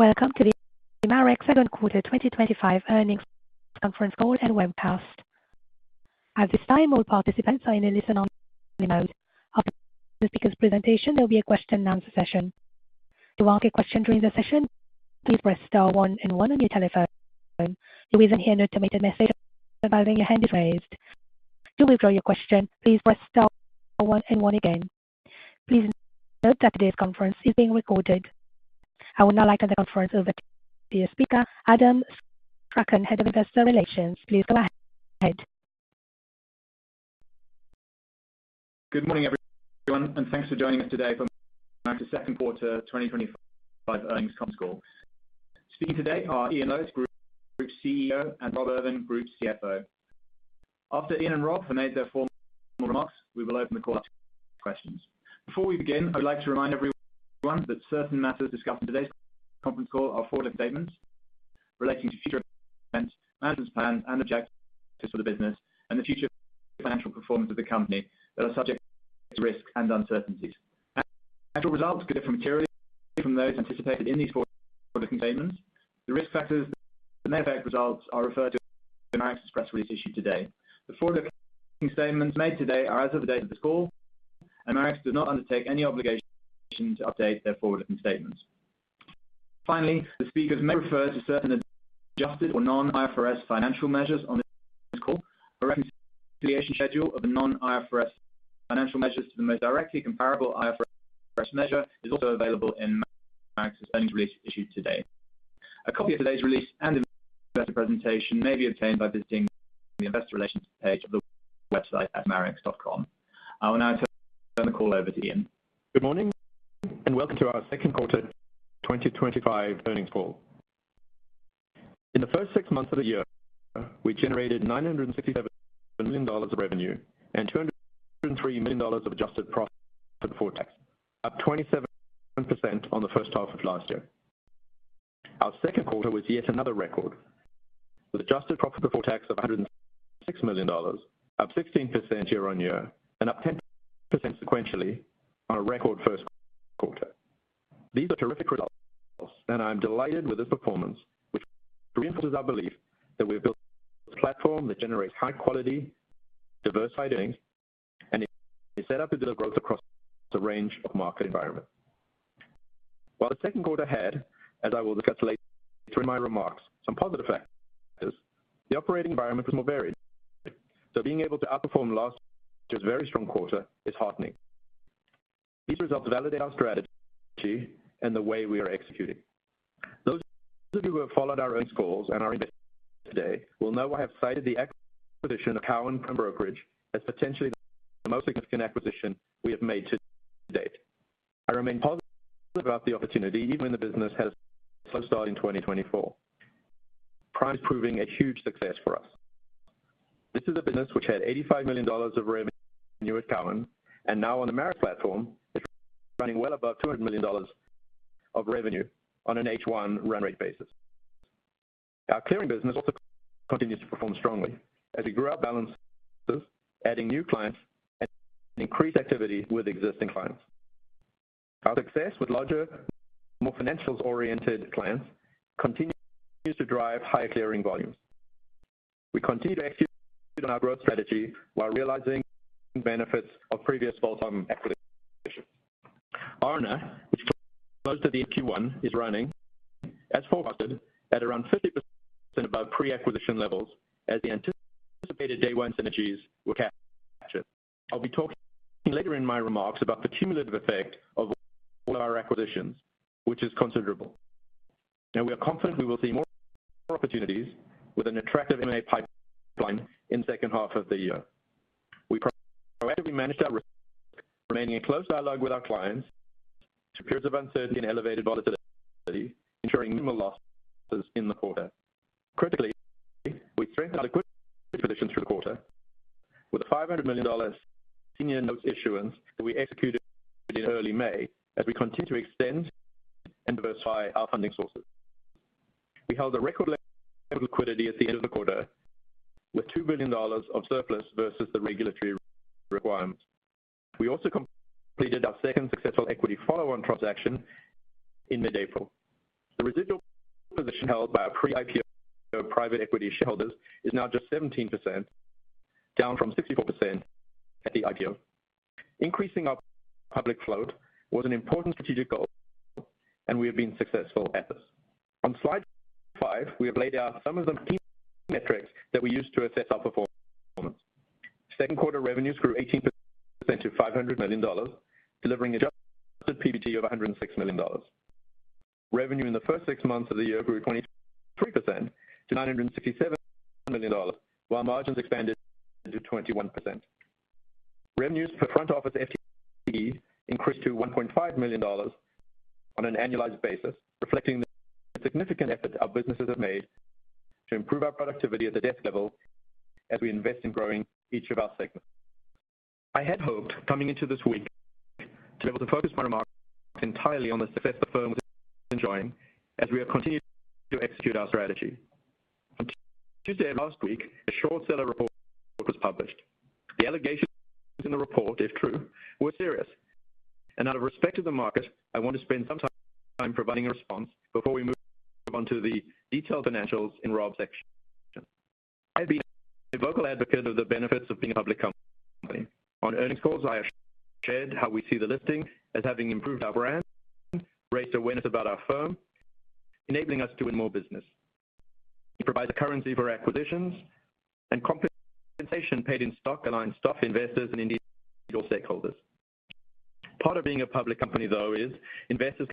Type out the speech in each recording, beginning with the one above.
Welcome to the Marex Second Quarter 2025 Earnings Conference Call and Webcast. At this time, all participants are in a listen-only mode. After the speaker's presentation, there will be a question-and-answer session. To ask a question during the session, please press star one and one on your telephone. There is an automated message about your hand is raised. To withdraw your question, please press star one and one again. Please note that this conference is being recorded. I will now like to turn the conference over to the speaker, Adam Strachan, Head of Investor Relations. Please go ahead. Good morning everyone, and thanks for joining us today for the Second Quarter 2025 Earnings Conference Call. Speaking today are Ian Lowitt, Group CEO, and Rob Irvin, Group CFO. After Ian and Rob have made their formal remarks, we will open the call to questions. Before we begin, I would like to remind everyone that certain matters discussed in today's conference call are forward-looking statements relating to shipments, management plans, and objectives for the business and the future financial performance of the company that are subject to risk and uncertainties. Actual results could differ materially from those anticipated in these forward-looking statements. The risk factors that may affect results are referred to in Marex's press release issued today. The forward-looking statements made today are as of the date of this call, and Marex does not undertake any obligation to update these forward-looking statements. Finally, the speakers may refer to certain adjusted or non-IFRS financial measures on this call. A reconciliation schedule of the non-IFRS financial measures to the most directly comparable IFRS measure is also available in Marex's earnings release issued today. A copy of today's release and investor presentation may be obtained by visiting the investor relations page of the website at marex.com. I will now turn the call over to Ian. Good morning and welcome to our second quarter 2025 earnings call. In the first six months of the year, we generated $967 million of revenue and $203 million of adjusted profit before tax, up 27% on the first half of last year. Our second quarter was yet another record, with adjusted profit before tax of $106 million, up 16% year-on-year, and up 10% sequentially on a record first quarter. These are terrific results, and I am delighted with the performance. The reason is our belief that we've built a platform that generates high quality, diversified earnings, and is set up to deliver growth across a range of market environments. While the second quarter had, as I will discuss later in my remarks, some positive factors, the operating environment was more varied. Being able to outperform last year's very strong quarter is heartening. These results validate our strategy and the way we are executing. Those of you who have followed our earnings calls and are in it today will know I have cited the acquisition of Cowen Prime Brokerage as potentially the most significant acquisition we have made to date. I remain positive about the opportunity, even as the business has so far started in 2024, proving a huge success for us. This is a business which had $85 million of revenue at Cowen, and now on the Marex platform, running well above $200 million of revenue on an H1 run rate basis. Our clearing business also continues to perform strongly as we grew our balances, adding new clients and increased activity with existing clients. Our success with larger, more financial-oriented clients continues to drive higher clearing volumes. We continue to execute on our growth strategy while realizing the benefits of previous full-time acquisitions. Our earnings, closer to the 81, is running as forecasted at around 50% above pre-acquisition levels as the anticipated day one synergies were captured. I'll be talking later in my remarks about the cumulative effect of all of our acquisitions, which is considerable. We are confident we will see more opportunities with an attractive M&A pipeline in the second half of the year. We proactively managed our risks, remaining in close dialogue with our clients through periods of uncertainty and elevated volatility, ensuring minimal losses in the quarter. Critically, we strengthened our liquidity position through the quarter, with a $500 million senior debt issuance that we executed in early May as we continue to extend and diversify our funding sources. We held a record level of liquidity at the end of the quarter, with $2 billion of surplus versus the regulatory requirements. We also completed our second successful equity follow-on transaction in mid-April. The residual position held by our pre-IPO private equity holders is now just 17%, down from 64% at the IPO. Increasing our public float was an important strategic goal, and we have been successful at this. On slide five, we have laid out some of the key metrics that we use to assess our performance. Second quarter revenues grew 18% to $500 million, delivering an adjusted PBT of $106 million. Revenue in the first six months of the year grew 23% to $967 million, while margins expanded to 21%. Revenues per front office FTE increased to $1.5 million on an annualized basis, reflecting the significant effort our businesses have made to improve our productivity at the desk level as we invest in growing each of our segments. I had hoped coming into this week to be able to focus my remarks entirely on the success the firm has been enjoying as we have continued to execute our strategy. Just last week, a short seller report was published. The allegations in the report, if true, were serious, and out of respect for the market, I want to spend some time providing a response before we move on to the detailed financials in Rob's section. I've been a vocal advocate of the benefits of being a public company. On earnings calls, I have shared how we see the listing as having improved our brand, raised awareness about our firm, enabling us to win more business. It provides a currency for acquisitions, and compensation paid in stock aligns stock investors and individual stakeholders. Part of being a public company, though, is investors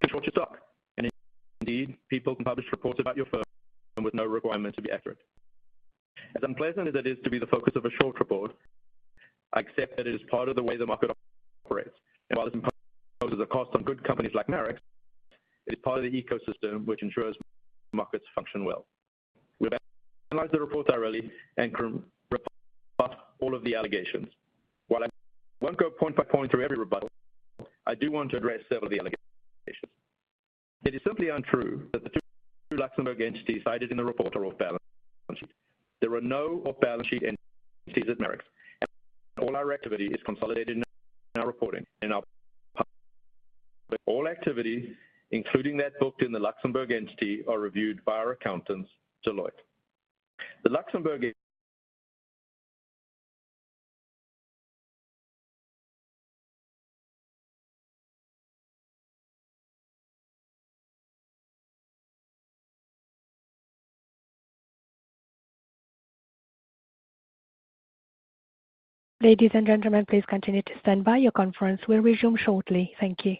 can talk to stock, and indeed people can publish reports about your firm with no requirement to be accurate. As unpleasant as it is to be the focus of a short report, I accept that it is part of the way the market operates, and while it imposes a cost on good companies like Marex Group plc, it is part of the ecosystem which ensures markets function well. We've analyzed the report thoroughly and come up with all of the allegations. While I won't go point by point through every rebuttal, I do want to address several of the allegations. It is simply untrue that the two Luxembourg entities cited in the report are off balance. There are no off-balance sheet entities at Marex, and all our activity is consolidated in our reporting and our public. All activity, including that booked in the Luxembourg entity, are reviewed by our accountants, Deloitte. The Luxembourg... Ladies and gentlemen, please continue to stand by your conference. We'll resume shortly. Thank you.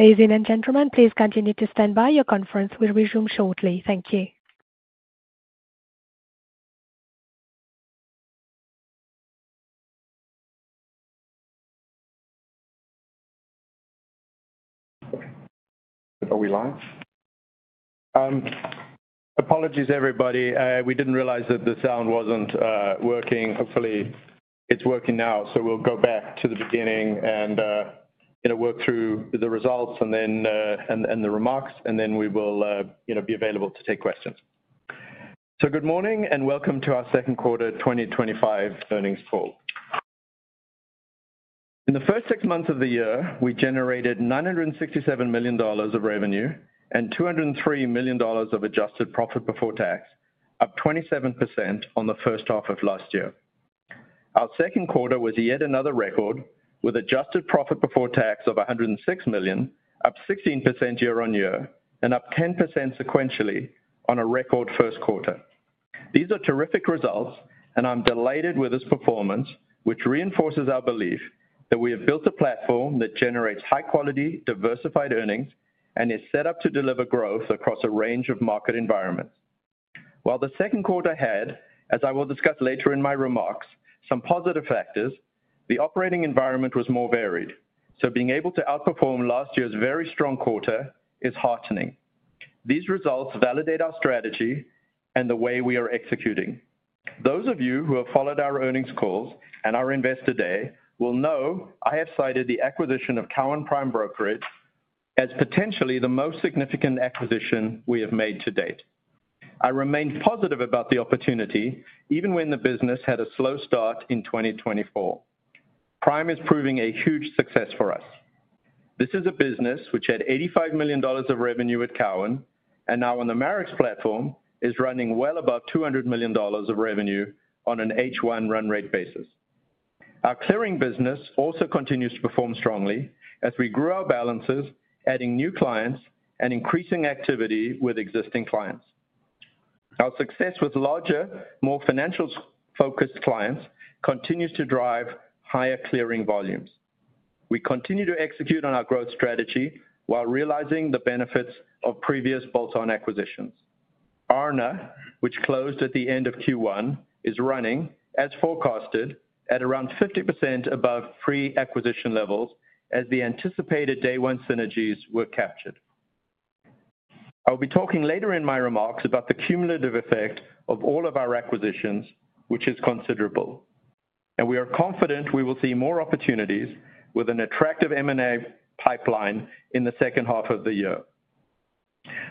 Ladies and gentlemen, please continue to stand by your conference. We'll resume shortly. Thank you. Are we live? Apologies, everybody. We didn't realize that the sound wasn't working. Hopefully, it's working now. We'll go back to the beginning and work through the results and then the remarks, and then we will be available to take questions. Good morning and welcome to our second quarter 2025 earnings call. In the first six months of the year, we generated $967 million of revenue and $203 million of adjusted profit before tax, up 27% on the first half of last year. Our second quarter was yet another record, with adjusted profit before tax of $106 million, up 16% year-on-year, and up 10% sequentially on a record first quarter. These are terrific results, and I'm delighted with this performance, which reinforces our belief that we have built a platform that generates high quality, diversified earnings, and is set up to deliver growth across a range of market environments. While the second quarter had, as I will discuss later in my remarks, some positive factors, the operating environment was more varied. Being able to outperform last year's very strong quarter is heartening. These results validate our strategy and the way we are executing. Those of you who have followed our earnings calls and our Investor Day will know I have cited the acquisition of Cowen Prime Brokerage as potentially the most significant acquisition we have made to date. I remain positive about the opportunity, even when the business had a slow start in 2024. Prime is proving a huge success for us. This is a business which had $85 million of revenue at Cowen, and now on the Marex platform is running well above $200 million of revenue on an H1 run rate basis. Our clearing business also continues to perform strongly as we grew our balances, adding new clients and increasing activity with existing clients. Our success with larger, more financial-focused clients continues to drive higher clearing volumes. We continue to execute on our growth strategy while realizing the benefits of previous bolt-on acquisitions. Our Aarna, which closed at the end of Q1, is running, as forecasted, at around 50% above pre-acquisition levels as the anticipated day one synergies were captured. I'll be talking later in my remarks about the cumulative effect of all of our acquisitions, which is considerable. We are confident we will see more opportunities with an attractive M&A pipeline in the second half of the year.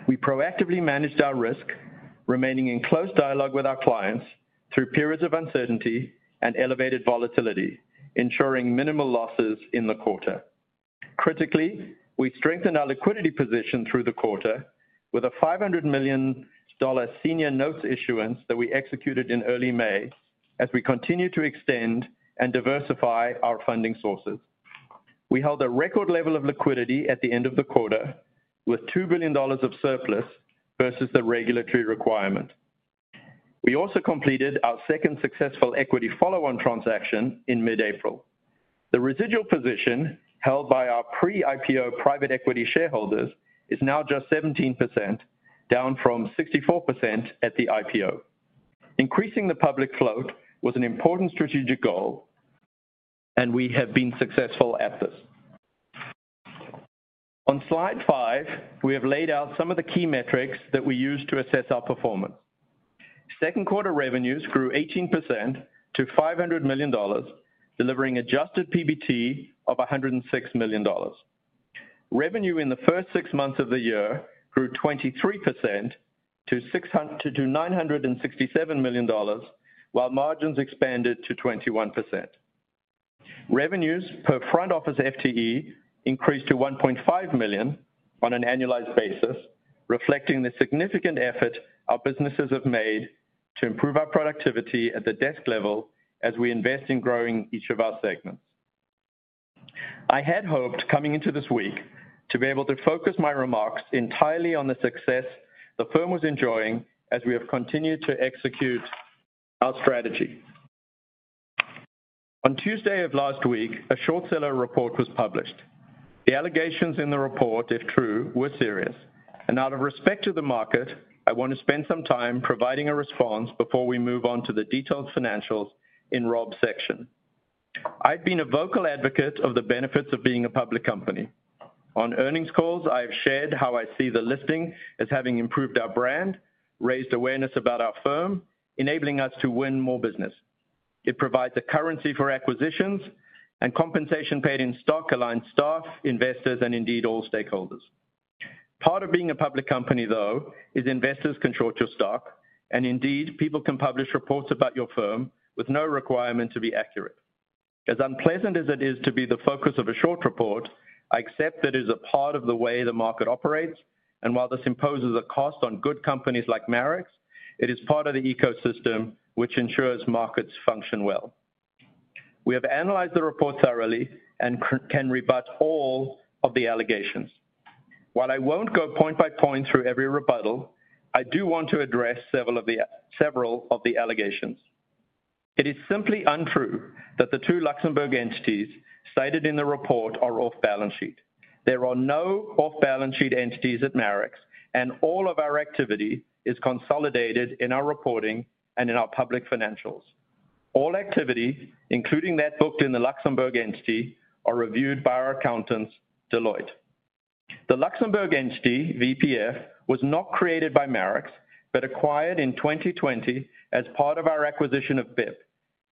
We proactively managed our risk, remaining in close dialogue with our clients through periods of uncertainty and elevated volatility, ensuring minimal losses in the quarter. Critically, we strengthened our liquidity position through the quarter with a $500 million senior debt issuance that we executed in early May as we continue to extend and diversify our funding sources. We held a record level of liquidity at the end of the quarter, with $2 billion of surplus versus the regulatory requirement. We also completed our second successful equity follow-on transaction in mid-April. The residual position held by our pre-IPO private equity shareholders is now just 17%, down from 64% at the IPO. Increasing the public float was an important strategic goal, and we have been successful at this. On slide five, we have laid out some of the key metrics that we use to assess our performance. Second quarter revenues grew 18% to $500 million, delivering adjusted PBT of $106 million. Revenue in the first six months of the year grew 23% to $967 million, while margins expanded to 21%. Revenues per front office FTE increased to $1.5 million on an annualized basis, reflecting the significant effort our businesses have made to improve our productivity at the desk level as we invest in growing each of our segments. I had hoped coming into this week to be able to focus my remarks entirely on the success the firm was enjoying as we have continued to execute our strategy. On Tuesday of last week, a short seller report was published. The allegations in the report, if true, were serious, and out of respect of the market, I want to spend some time providing a response before we move on to the detailed financials in Rob's section. I've been a vocal advocate of the benefits of being a public company. On earnings calls, I have shared how I see the listing as having improved our brand, raised awareness about our firm, enabling us to win more business. It provides a currency for acquisitions, and compensation paid in stock aligns staff, investors, and indeed all stakeholders. Part of being a public company, though, is investors can short your stock, and indeed people can publish reports about your firm with no requirement to be accurate. As unpleasant as it is to be the focus of a short report, I accept that it is a part of the way the market operates, and while this imposes a cost on good companies like Marex, it is part of the ecosystem which ensures markets function well. We have analyzed the report thoroughly and can rebut all of the allegations. While I won't go point by point through every rebuttal, I do want to address several of the allegations. It is simply untrue that the two Luxembourg entities cited in the report are off-balance sheet. There are no off-balance sheet entities at Marex, and all of our activity is consolidated in our reporting and in our public financials. All activity, including that booked in the Luxembourg entity, is reviewed by our accountants, Deloitte. The Luxembourg entity, VPF, was not created by Marex but acquired in 2020 as part of our acquisition of BIP,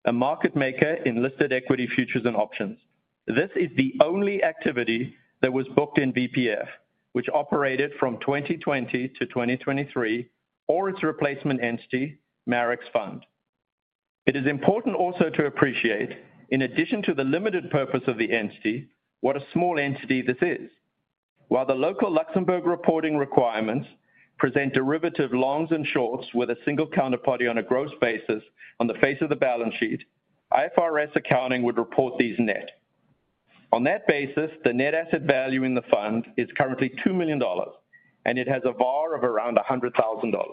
a market maker in listed equity futures and options. This is the only activity that was booked in VPF, which operated from 2020-2023, or its replacement entity, Marex Fund. It is important also to appreciate, in addition to the limited purpose of the entity, what a small entity this is. While the local Luxembourg reporting requirements present derivative longs and shorts with a single counterparty on a gross basis on the face of the balance sheet, IFRS accounting would report these net. On that basis, the net asset value in the fund is currently $2 million, and it has a VAR of around $100,000.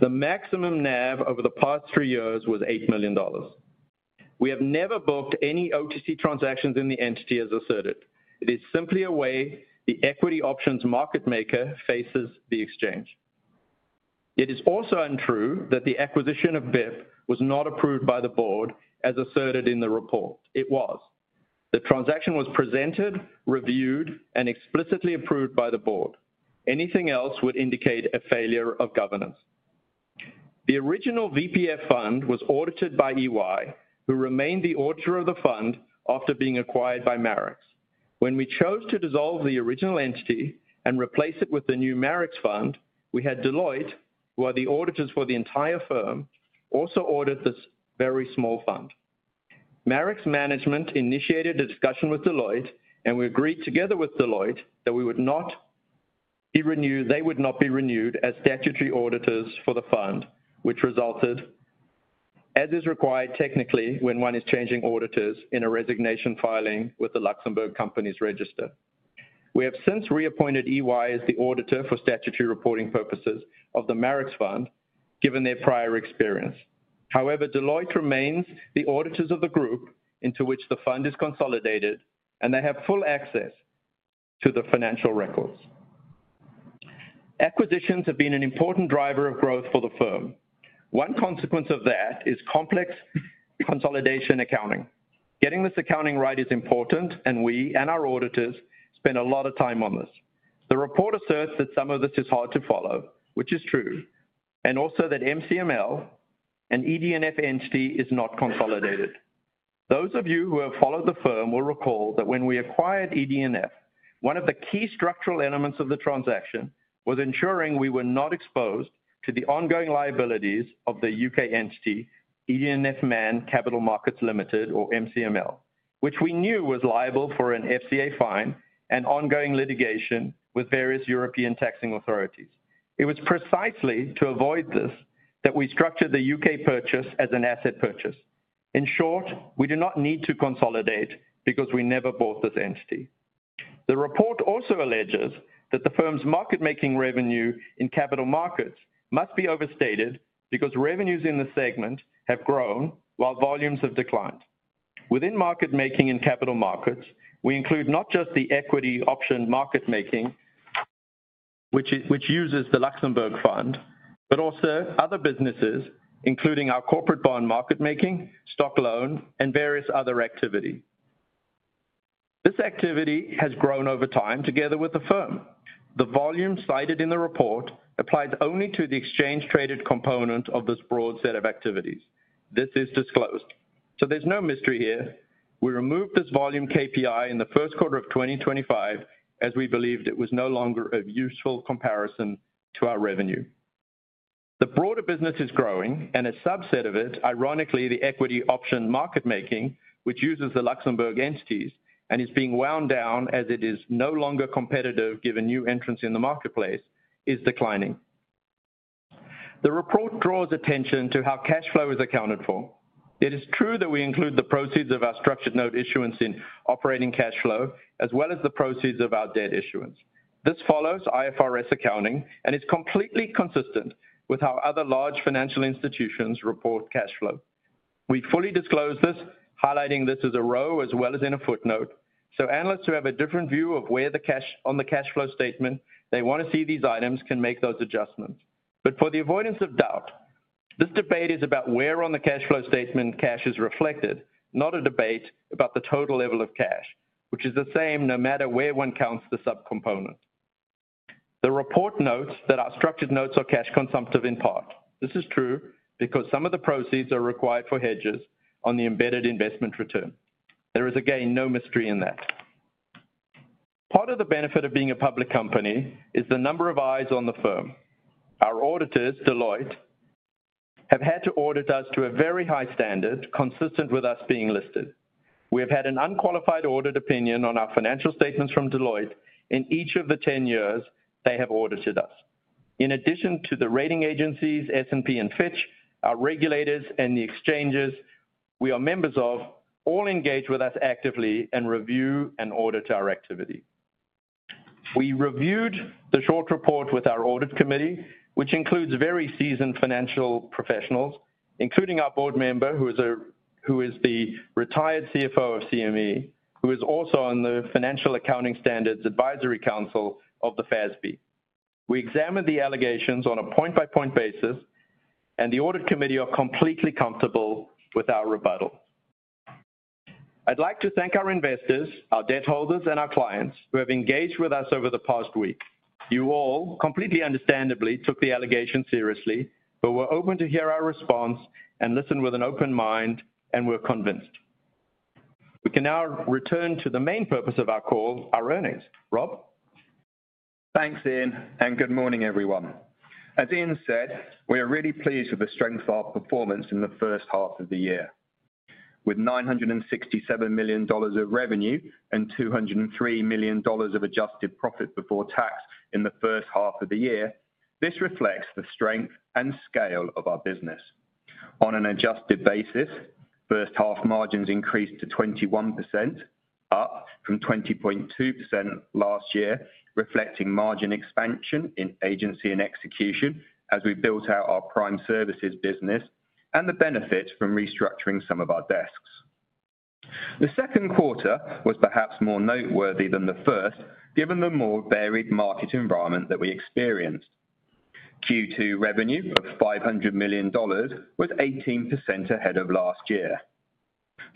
The maximum NAV over the past three years was $8 million. We have never booked any OTC transactions in the entity, as asserted. It is simply a way the equity options market maker faces the exchange. It is also untrue that the acquisition of BIP was not approved by the Board, as asserted in the report. It was. The transaction was presented, reviewed, and explicitly approved by the Board. Anything else would indicate a failure of governance. The original VPF fund was audited by EY, who remained the auditor of the fund after being acquired by Marex. When we chose to dissolve the original entity and replace it with the new Marex Fund, we had Deloitte, who are the auditors for the entire firm, also audit this very small fund. Marex management initiated a discussion with Deloitte, and we agreed together with Deloitte that we would not, they will not be renewed as statutory auditors for the fund, which resulted, as is required technically when one is changing auditors, in a resignation filing with the Luxembourg company's register. We have since reappointed EY as the auditor for statutory reporting purposes of the Marex Fund, given their prior experience. However, Deloitte remains the auditors of the group into which the fund is consolidated, and they have full access to the financial records. Acquisitions have been an important driver of growth for the firm. One consequence of that is complex consolidation accounting. Getting this accounting right is important, and we and our auditors spend a lot of time on this. The report asserts that some of this is hard to follow, which is true, and also that MCML, an ED&F entity, is not consolidated. Those of you who have followed the firm will recall that when we acquired ED&F, one of the key structural elements of the transaction was ensuring we were not exposed to the ongoing liabilities of the U.K. entity, ED&F Man Capital Markets Limited, or MCML, which we knew was liable for an FCA fine and ongoing litigation with various European taxing authorities. It was precisely to avoid this that we structured the U.K. purchase as an asset purchase. In short, we do not need to consolidate because we never bought this entity. The report also alleges that the firm's market making revenue in capital markets must be overstated because revenues in the segment have grown while volumes have declined. Within market making in capital markets, we include not just the equity option market making, which uses the Luxembourg Fund, but also other businesses, including our corporate bond market making, stock loan, and various other activity. This activity has grown over time together with the firm. The volume cited in the report applies only to the exchange-traded component of this broad set of activities. This is disclosed. There is no mystery here. We removed this volume KPI in the first quarter of 2025 as we believed it was no longer of useful comparison to our revenue. The broader business is growing, and a subset of it, ironically, the equity option market making, which uses the Luxembourg entities and is being wound down as it is no longer competitive given new entrants in the marketplace, is declining. The report draws attention to how cash flow is accounted for. It is true that we include the proceeds of our structured note issuance in operating cash flow, as well as the proceeds of our debt issuance. This follows IFRS accounting, and it is completely consistent with how other large financial institutions report cash flow. We fully disclose this, highlighting this as a row as well as in a footnote, so analysts who have a different view of where the cash on the cash flow statement they want to see these items can make those adjustments. For the avoidance of doubt, this debate is about where on the cash flow statement cash is reflected, not a debate about the total level of cash, which is the same no matter where one counts the subcomponent. The report notes that our structured notes are cash consumptive in part. This is true because some of the proceeds are required for hedges on the embedded investment return. There is again no mystery in that. Part of the benefit of being a public company is the number of eyes on the firm. Our auditors, Deloitte, have had to audit us to a very high standard, consistent with us being listed. We have had an unqualified audit opinion on our financial statements from Deloitte in each of the 10 years they have audited us. In addition to the rating agencies, S&P, and Fitch, our regulators and the exchanges we are members of all engage with us actively and review and audit our activity. We reviewed the short seller report with our audit committee, which includes very seasoned financial professionals, including our board member, who is the retired CFO of CME, who is also on the Financial Accounting Standards Advisory Council of the FASB. We examined the allegations on a point-by-point basis, and the audit committee are completely comfortable with our rebuttal. I'd like to thank our investors, our debt holders, and our clients who have engaged with us over the past week. You all completely understandably took the allegations seriously, but were open to hear our response and listen with an open mind, and were convinced. We can now return to the main purpose of our call, our earnings. Rob? Thanks, Ian, and good morning, everyone. As Ian said, we are really pleased with the strength of our performance in the first half of the year. With $967 million of revenue and $203 million of adjusted profit before tax in the first half of the year, this reflects the strength and scale of our business. On an adjusted basis, first half margins increased to 21%, up from 20.2% last year, reflecting margin expansion in agency and execution as we built out our prime services business and the benefit from restructuring some of our desks. The second quarter was perhaps more noteworthy than the first, given the more varied market environment that we experienced. Q2 revenue of $500 million was 18% ahead of last year.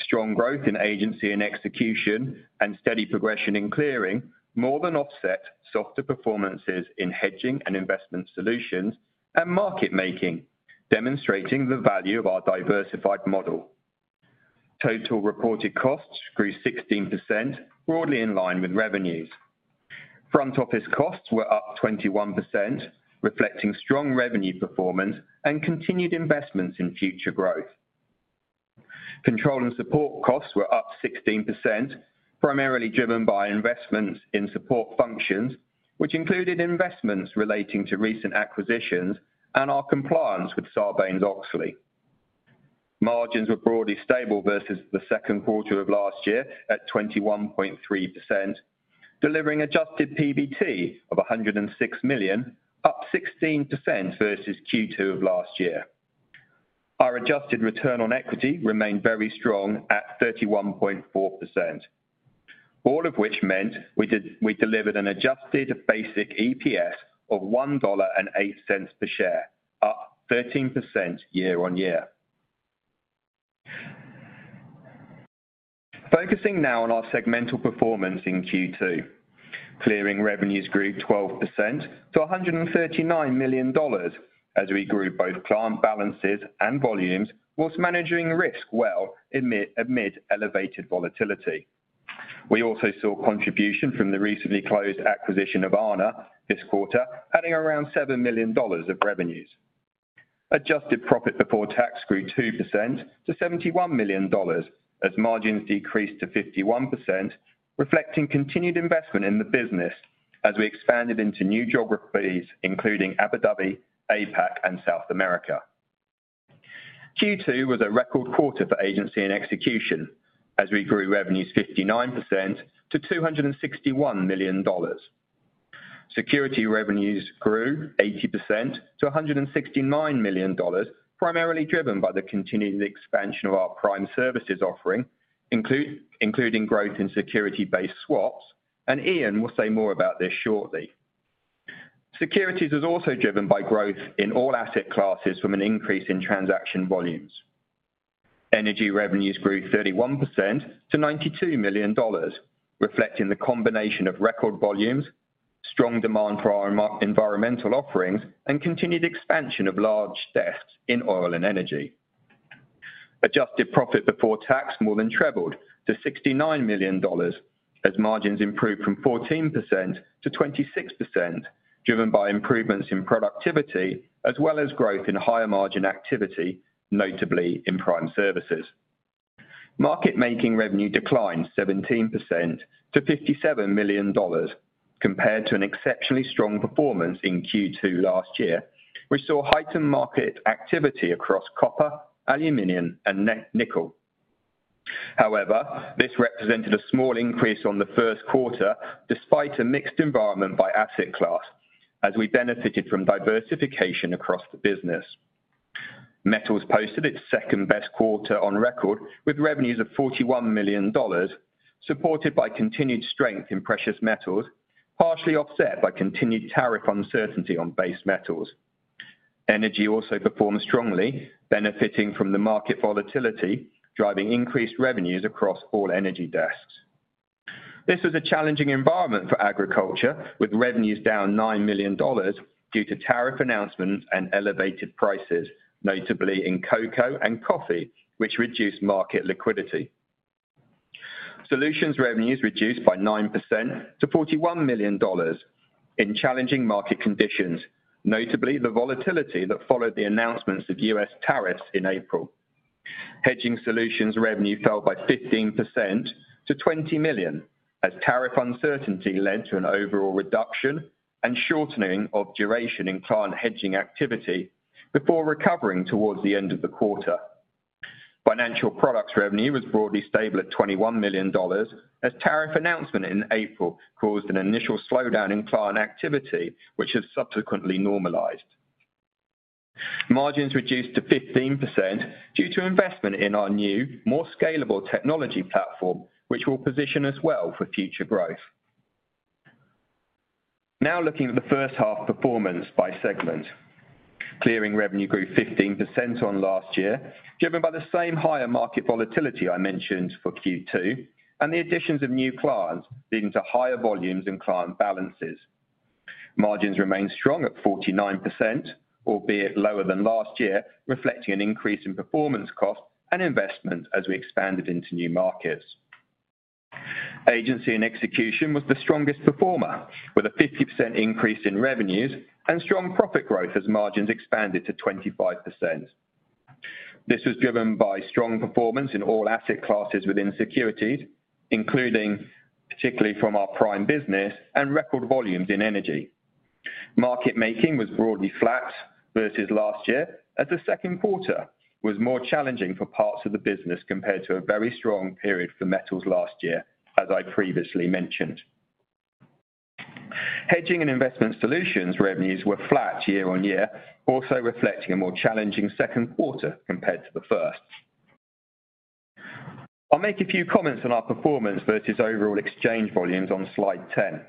Strong growth in agency and execution and steady progression in clearing more than offset softer performances in hedging and investment solutions and market making, demonstrating the value of our diversified model. Total reported costs grew 16%, broadly in line with revenues. Front office costs were up 21%, reflecting strong revenue performance and continued investments in future growth. Control and support costs were up 16%, primarily driven by investments in support functions, which included investments relating to recent acquisitions and our compliance with Sarbanes-Oxley. Margins were broadly stable versus the second quarter of last year at 21.3%, delivering adjusted PBT of $106 million, up 16% versus Q2 of last year. Our adjusted return on equity remained very strong at 31.4%, all of which meant we delivered an adjusted basic EPS of $1.08 per share, up 13% year-on-year. Focusing now on our segmental performance in Q2, clearing revenues grew 12% to $139 million as we grew both client balances and volumes, whilst managing risk well amid elevated volatility. We also saw contribution from the recently closed acquisition of Aarna this quarter, adding around $7 million of revenues. Adjusted profit before tax grew 2% to $71 million as margins decreased to 51%, reflecting continued investment in the business as we expanded into new geographies, including Abu Dhabi, APAC, and South America. Q2 was a record quarter for agency and execution as we grew revenues 59% to $261 million. Security revenues grew 80% to $169 million, primarily driven by the continued expansion of our prime services offering, including growth in security-based swaps, and Ian will say more about this shortly. Securities was also driven by growth in all asset classes from an increase in transaction volumes. Energy revenues grew 31% to $92 million, reflecting the combination of record volumes, strong demand for our environmental offerings, and continued expansion of large desks in oil and energy. Adjusted profit before tax more than trebled to $69 million as margins improved from 14%-26%, driven by improvements in productivity as well as growth in higher margin activity, notably in prime services. Market making revenue declined 17% to $57 million, compared to an exceptionally strong performance in Q2 last year, which saw heightened market activity across copper, aluminum, and nickel. However, this represented a small increase on the first quarter despite a mixed environment by asset class, as we benefited from diversification across the business. Metals posted its second best quarter on record with revenues of $41 million, supported by continued strength in precious metals, partially offset by continued tariff uncertainty on base metals. Energy also performed strongly, benefiting from the market volatility, driving increased revenues across all energy desks. This was a challenging environment for agriculture, with revenues down $9 million due to tariff announcements and elevated prices, notably in cocoa and coffee, which reduced market liquidity. Solutions revenues reduced by 9% to $41 million in challenging market conditions, notably the volatility that followed the announcements of U.S. tariffs in April. Hedging solutions revenue fell by 15% to $20 million, as tariff uncertainty led to an overall reduction and shortening of duration in client hedging activity before recovering towards the end of the quarter. Financial products revenue was broadly stable at $21 million, as tariff announcement in April caused an initial slowdown in client activity, which has subsequently normalized. Margins reduced to 15% due to investment in our new, more scalable technology platform, which will position us well for future growth. Now looking at the first half performance by segments. Clearing revenue grew 15% on last year, driven by the same higher market volatility I mentioned for Q2 and the additions of new clients leading to higher volumes and client balances. Margins remained strong at 49%, albeit lower than last year, reflecting an increase in performance cost and investment as we expanded into new markets. Agency and execution was the strongest performer, with a 50% increase in revenues and strong profit growth as margins expanded to 25%. This was driven by strong performance in all asset classes within securities, including particularly from our prime business and record volumes in energy. Market making was broadly flat versus last year, as the second quarter was more challenging for parts of the business compared to a very strong period for metals last year, as I previously mentioned. Hedging and investment solutions revenues were flat year-on-year, also reflecting a more challenging second quarter compared to the first. I'll make a few comments on our performance versus overall exchange volumes on slide 10.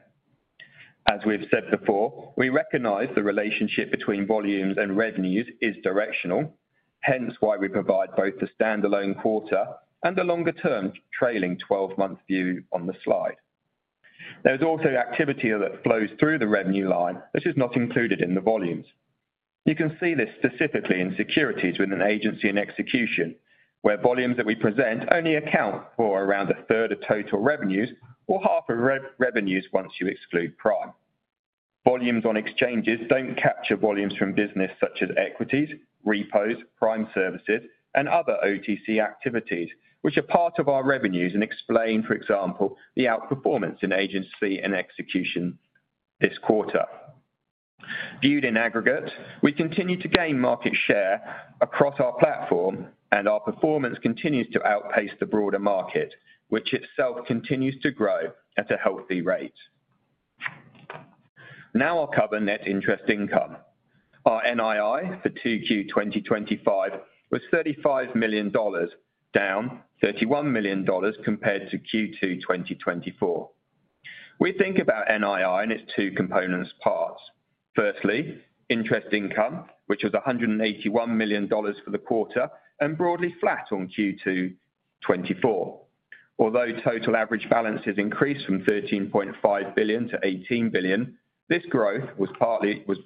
As we've said before, we recognize the relationship between volumes and revenues is directional, hence why we provide both the standalone quarter and the longer-term trailing 12-month view on the slide. There's also activity that flows through the revenue line. This is not included in the volumes. You can see this specifically in securities within agency and execution, where volumes that we present only account for around a third of total revenues or half of revenues once you exclude prime. Volumes on exchanges don't capture volumes from business such as equities, repos, prime services, and other OTC activities, which are part of our revenues and explain, for example, the outperformance in agency and execution this quarter. Viewed in aggregate, we continue to gain market share across our platform, and our performance continues to outpace the broader market, which itself continues to grow at a healthy rate. Now I'll cover net interest income. Our NII for Q2 2025 was $35 million, down $31 million compared to Q2 2024. We think about NII in its two component parts. Firstly, interest income, which was $181 million for the quarter and broadly flat on Q2 2024. Although total average balances increased from $13.5 billion-$18 billion, this growth was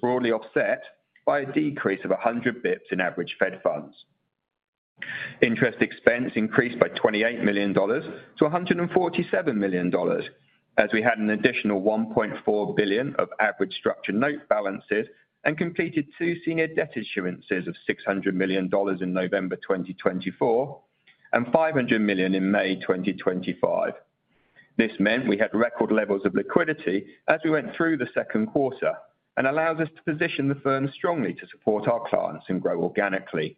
broadly offset by a decrease of 100 bps in average Fed funds. Interest expense increased by $28 million-$147 million, as we had an additional $1.4 billion of average structured note balances and completed two senior debt issuances of $600 million in November 2024 and $500 million in May 2025. This meant we had record levels of liquidity as we went through the second quarter and allows us to position the firm strongly to support our clients and grow organically.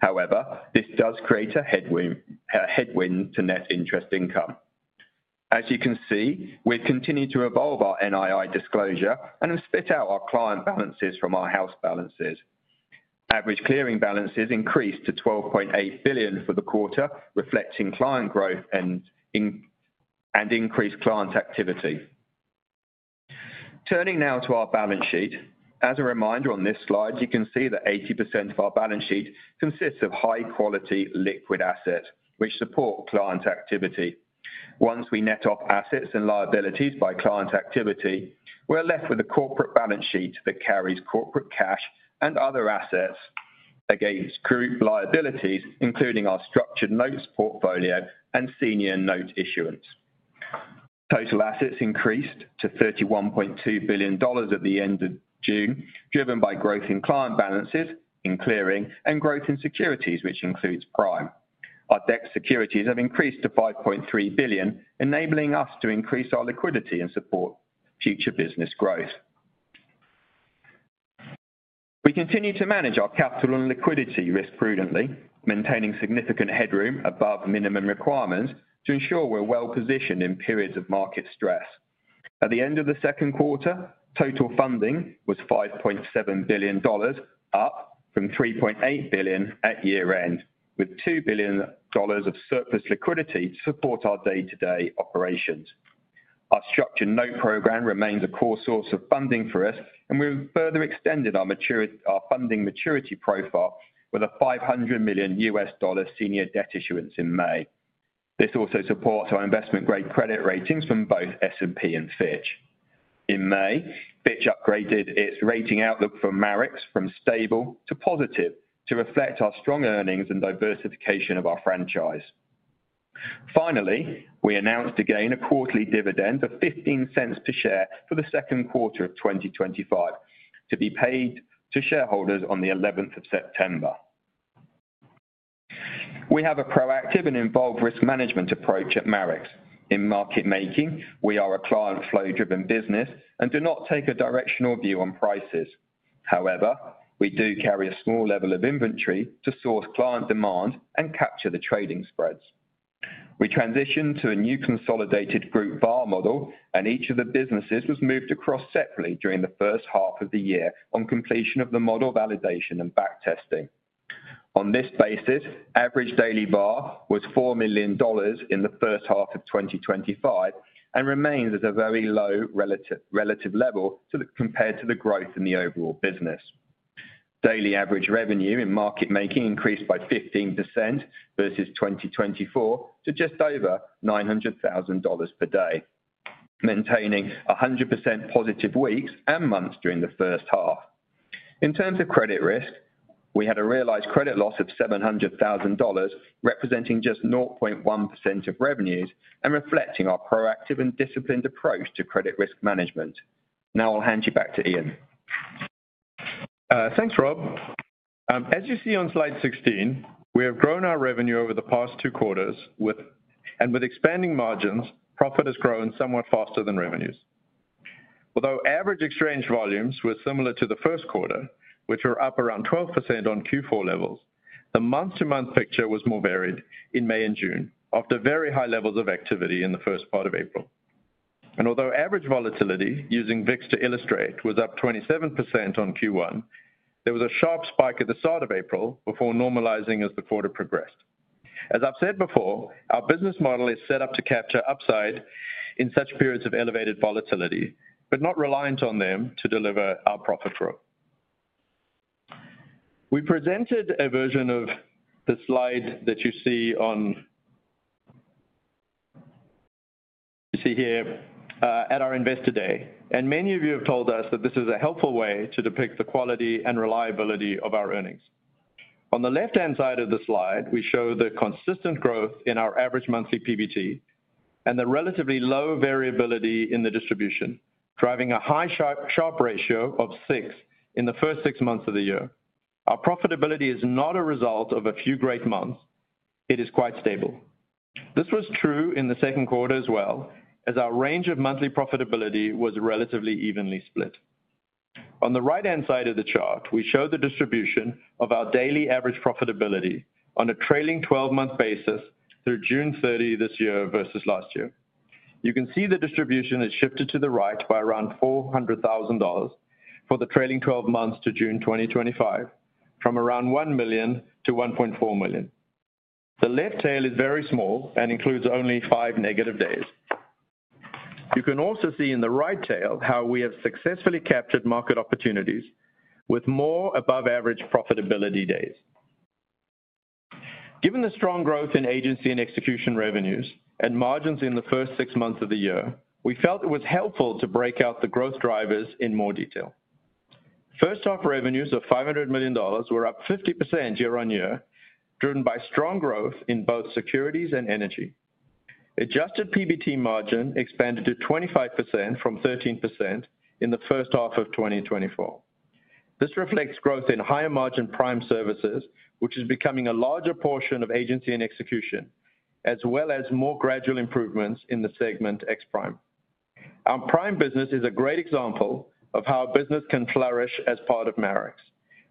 However, this does create a headwind to net interest income. As you can see, we've continued to evolve our NII disclosure and have split out our client balances from our house balances. Average clearing balances increased to $12.8 billion for the quarter, reflecting client growth and increased client activity. Turning now to our balance sheet, as a reminder on this slide, you can see that 80% of our balance sheet consists of high-quality liquid assets, which support client activity. Once we net off assets and liabilities by client activity, we're left with a corporate balance sheet that carries corporate cash and other assets against group liabilities, including our structured notes portfolio and senior note issuance. Total assets increased to $31.2 billion at the end of June, driven by growth in client balances in clearing and growth in securities, which includes prime. Our DEX securities have increased to $5.3 billion, enabling us to increase our liquidity and support future business growth. We continue to manage our capital and liquidity risk prudently, maintaining significant headroom above minimum requirements to ensure we're well positioned in periods of market stress. At the end of the second quarter, total funding was $5.7 billion, up from $3.8 billion at year end, with $2 billion of surplus liquidity to support our day-to-day operations. Our structured note program remained a core source of funding for us, and we further extended our funding maturity profile with a $500 million senior debt issuance in May. This also supports our investment-grade credit ratings from both S&P and Fitch. In May, Fitch upgraded its rating outlook for Marex from stable to positive to reflect our strong earnings and diversification of our franchise. Finally, we announced again a quarterly dividend of $0.15 per share for the second quarter of 2025, to be paid to shareholders on the 11th of September. We have a proactive and involved risk management approach at Marex. In market making, we are a client-flow-driven business and do not take a directional view on prices. However, we do carry a small level of inventory to source client demand and capture the trading spreads. We transitioned to a new consolidated group VAR model, and each of the businesses was moved across separately during the first half of the year on completion of the model validation and backtesting. On this basis, average daily VAR was $4 million in the first half of 2025 and remains at a very low relative level compared to the growth in the overall business. Daily average revenue in market making increased by 15% versus 2024 to just over $900,000 per day, maintaining 100% positive weeks and months during the first half. In terms of credit risk, we had a realized credit loss of $700,000, representing just 0.1% of revenues and reflecting our proactive and disciplined approach to credit risk management. Now I'll hand you back to Ian. Thanks, Rob. As you see on slide 16, we have grown our revenue over the past two quarters, and with expanding margins, profit has grown somewhat faster than revenues. Although average exchange volumes were similar to the first quarter, which were up around 12% on Q4 levels, the month-to-month picture was more varied in May and June after very high levels of activity in the first part of April. Although average volatility, using VIX to illustrate, was up 27% on Q1, there was a sharp spike at the start of April before normalizing as the quarter progressed. As I've said before, our business model is set up to capture upside in such periods of elevated volatility, but not reliant on them to deliver our profit for it. We presented a version of the slide that you see here at our Investor Day, and many of you have told us that this is a helpful way to depict the quality and reliability of our earnings. On the left-hand side of the slide, we show the consistent growth in our average monthly PBT and the relatively low variability in the distribution, driving a high Sharpe ratio of six in the first six months of the year. Our profitability is not a result of a few great months; it is quite stable. This was true in the second quarter as well, as our range of monthly profitability was relatively evenly split. On the right-hand side of the chart, we show the distribution of our daily average profitability on a trailing 12-month basis through June 30th this year versus last year. You can see the distribution has shifted to the right by around $400,000 for the trailing 12 months to June 2025, from around $1 million-$1.4 million. The left tail is very small and includes only five negative days. You can also see in the right tail how we have successfully captured market opportunities with more above-average profitability days. Given the strong growth in agency and execution revenues and margins in the first six months of the year, we felt it was helpful to break out the growth drivers in more detail. First half revenues of $500 million were up 50% year-on-year, driven by strong growth in both securities and energy. Adjusted PBT margin expanded to 25% from 13% in the first half of 2024. This reflects growth in higher margin prime services, which is becoming a larger portion of agency and execution, as well as more gradual improvements in the segment ex-prime. Our prime business is a great example of how a business can flourish as part of Marex.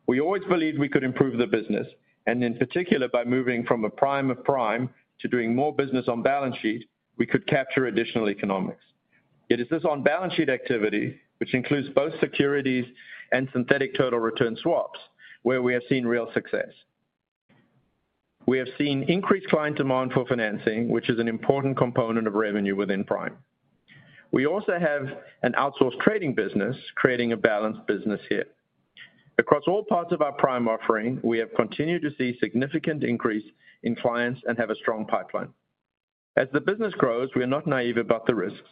We always believed we could improve the business, and in particular by moving from a prime of prime to doing more business on balance sheet, we could capture additional economics. It is this on balance sheet activity, which includes both securities and synthetic total return swaps, where we have seen real success. We have seen increased client demand for financing, which is an important component of revenue within prime. We also have an outsourced trading business, creating a balanced business here. Across all parts of our prime offering, we have continued to see a significant increase in clients and have a strong pipeline. As the business grows, we are not naive about the risks.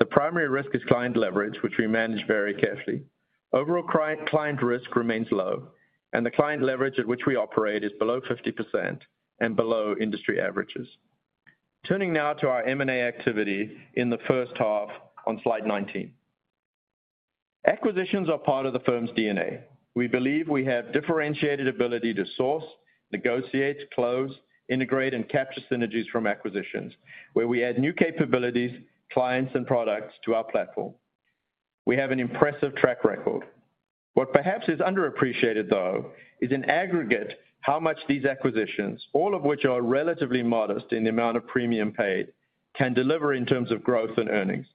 The primary risk is client leverage, which we manage very carefully. Overall client risk remains low, and the client leverage at which we operate is below 50% and below industry averages. Turning now to our M&A activity in the first half on slide 19. Acquisitions are part of the firm's DNA. We believe we have a differentiated ability to source, negotiate, close, integrate, and capture synergies from acquisitions, where we add new capabilities, clients, and products to our platform. We have an impressive track record. What perhaps is underappreciated, though, is in aggregate how much these acquisitions, all of which are relatively modest in the amount of premium paid, can deliver in terms of growth and earnings.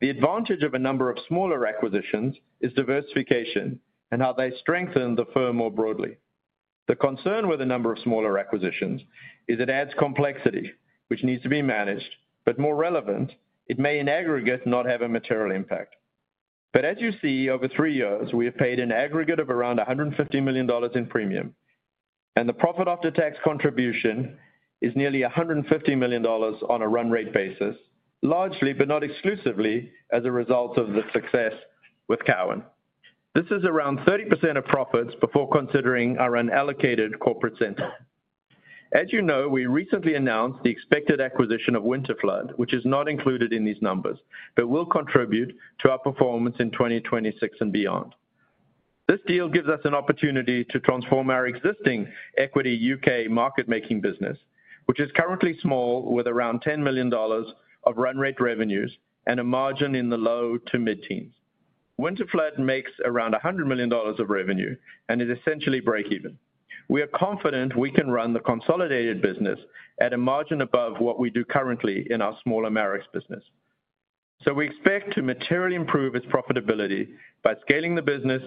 The advantage of a number of smaller acquisitions is diversification and how they strengthen the firm more broadly. The concern with a number of smaller acquisitions is it adds complexity, which needs to be managed. More relevant, it may in aggregate not have a material impact. As you see, over three years, we have paid an aggregate of around $150 million in premium, and the profit after tax contribution is nearly $150 million on a run rate basis, largely but not exclusively as a result of the success with Cowen. This is around 30% of profits before considering our unallocated corporate center. As you know, we recently announced the expected acquisition of Winterflood, which is not included in these numbers, but will contribute to our performance in 2026 and beyond. This deal gives us an opportunity to transform our existing equity U.K. market making business, which is currently small with around $10 million of run rate revenues and a margin in the low to mid-teens. Winterflood makes around $100 million of revenue and is essentially break-even. We are confident we can run the consolidated business at a margin above what we do currently in our smaller Marex business. We expect to materially improve its profitability by scaling the business,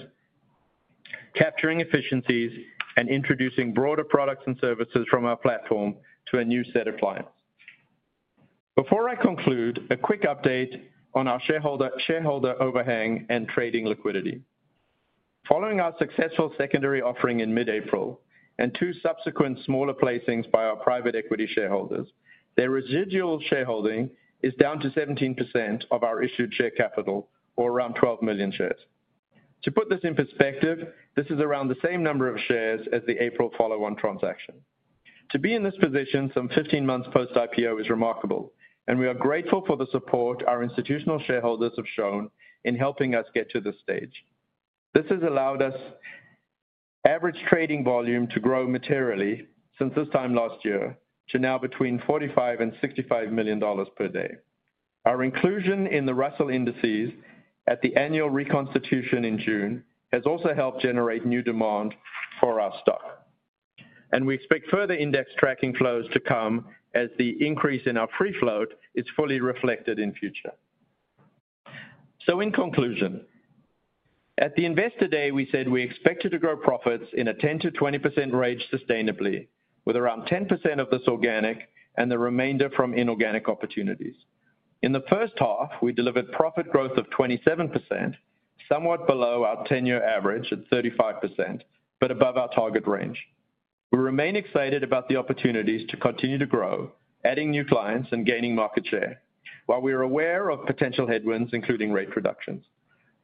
capturing efficiencies, and introducing broader products and services from our platform to a new set of clients. Before I conclude, a quick update on our shareholder overhang and trading liquidity. Following our successful secondary offering in mid-April and two subsequent smaller placings by our private equity shareholders, their residual shareholding is down to 17% of our issued share capital, or around 12 million shares. To put this in perspective, this is around the same number of shares as the April follow-on transaction. To be in this position some 15 months post-IPO is remarkable, and we are grateful for the support our institutional shareholders have shown in helping us get to this stage. This has allowed our average trading volume to grow materially since this time last year to now between $45 million and $65 million per day. Our inclusion in the Russell indices at the annual reconstitution in June has also helped generate new demand for our stock. We expect further index tracking flows to come as the increase in our free float is fully reflected in future. In conclusion, at the Investor Day, we said we expected to grow profits in a 10%-20% range sustainably, with around 10% of this organic and the remainder from inorganic opportunities. In the first half, we delivered profit growth of 27%, somewhat below our 10-year average at 35%, but above our target range. We remain excited about the opportunities to continue to grow, adding new clients and gaining market share, while we are aware of potential headwinds, including rate reductions.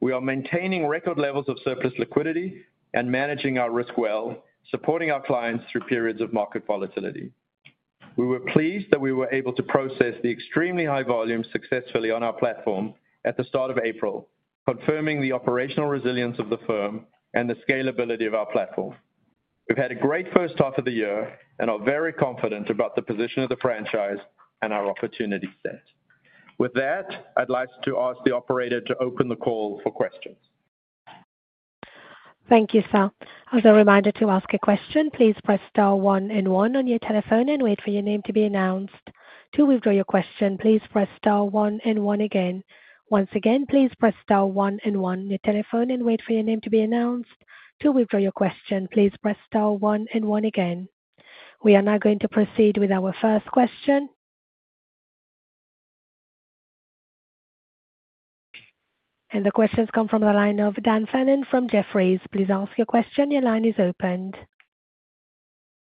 We are maintaining record levels of surplus liquidity and managing our risk well, supporting our clients through periods of market volatility. We were pleased that we were able to process the extremely high volumes successfully on our platform at the start of April, confirming the operational resilience of the firm and the scalability of our platform. We've had a great first half of the year and are very confident about the position of the franchise and our opportunity set. With that, I'd like to ask the operator to open the call for questions. Thank you, Theo. As a reminder, to ask a question, please press star one and one on your telephone and wait for your name to be announced. To withdraw your question, please press star one and one again. Once again, please press star one and one on your telephone and wait for your name to be announced. To withdraw your question, please press star one and one again. We are now going to proceed with our first question. The questions come from the line of Dan Fannon from Jefferies. Please ask your question. Your line is opened.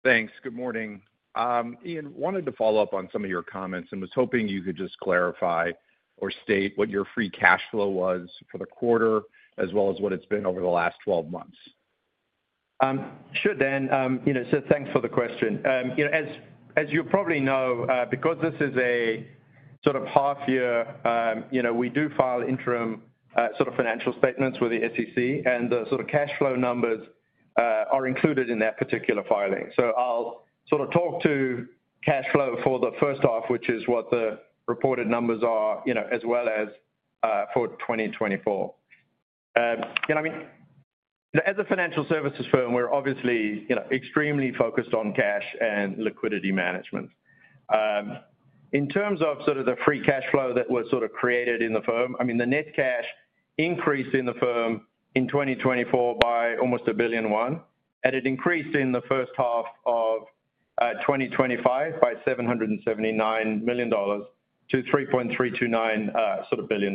Thanks. Good morning. Ian, wanted to follow up on some of your comments and was hoping you could just clarify or state what your free cash flow was for the quarter, as well as what it's been over the last 12 months. Sure, Dan. Thanks for the question. As you probably know, because this is a sort of half-year, we do file interim financial statements with the SEC, and the cash flow numbers are included in that particular filing. I'll talk to cash flow for the first half, which is what the reported numbers are, as well as for 2024. I mean, as a financial services firm, we're obviously extremely focused on cash and liquidity management. In terms of the free cash flow that was created in the firm, the net cash increased in the firm in 2024 by almost $1 billion, and it increased in the first half of 2025 by $779 million to $3.329 billion.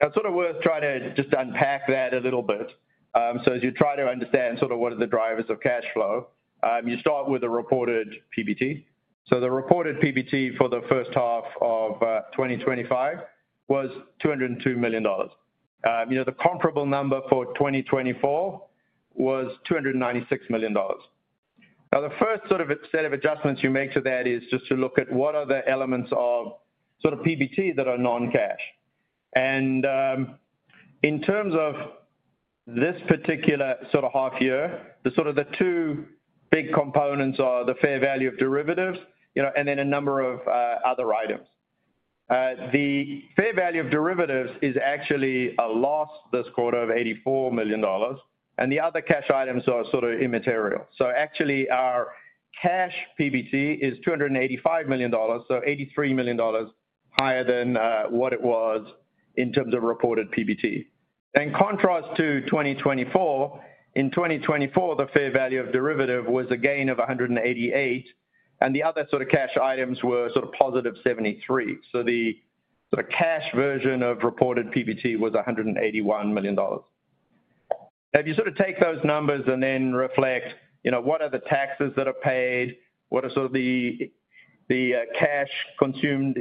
It's worth trying to just unpack that a little bit. As you try to understand what are the drivers of cash flow, you start with the reported PBT. The reported PBT for the first half of 2025 was $202 million. The comparable number for 2024 was $296 million. The first set of adjustments you make to that is just to look at what are the elements of PBT that are non-cash. In terms of this particular half-year, the two big components are the fair value of derivatives, and then a number of other items. The fair value of derivatives is actually a loss this quarter of $84 million, and the other cash items are immaterial. Our cash PBT is $285 million, so $83 million higher than what it was in terms of reported PBT. In contrast to 2024, in 2024, the fair value of derivatives was a gain of $188 million, and the other cash items were +$73 million. The cash version of reported PBT was $181 million. If you take those numbers and then reflect what are the taxes that are paid, what is the cash consumed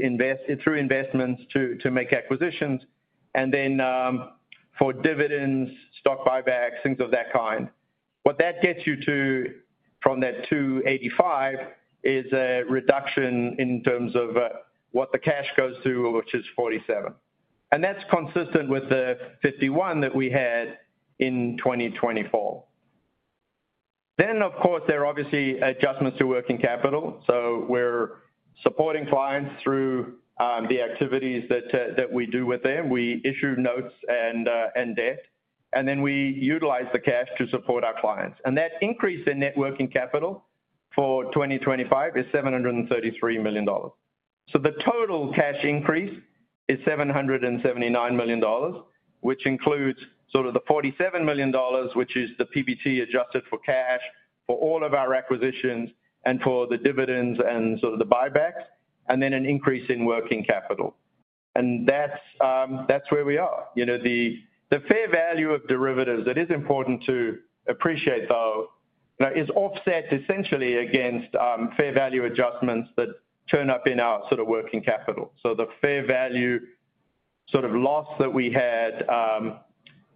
through investments to make acquisitions, and then for dividends, stock buybacks, things of that kind, what that gets you to from that $285 million is a reduction in terms of what the cash goes to, which is $47 million. That's consistent with the $51 million that we had in 2024. Of course, there are adjustments to working capital. We're supporting clients through the activities that we do with them. We issue notes and debt, and then we utilize the cash to support our clients. That increase in net working capital for 2025 is $733 million. The total cash increase is $779 million, which includes the $47 million, which is the PBT adjusted for cash for all of our acquisitions and for the dividends and the buybacks, and then an increase in working capital. That's where we are. The fair value of derivatives that is important to appreciate, though, is offset essentially against fair value adjustments that turn up in our working capital. The fair value loss that we had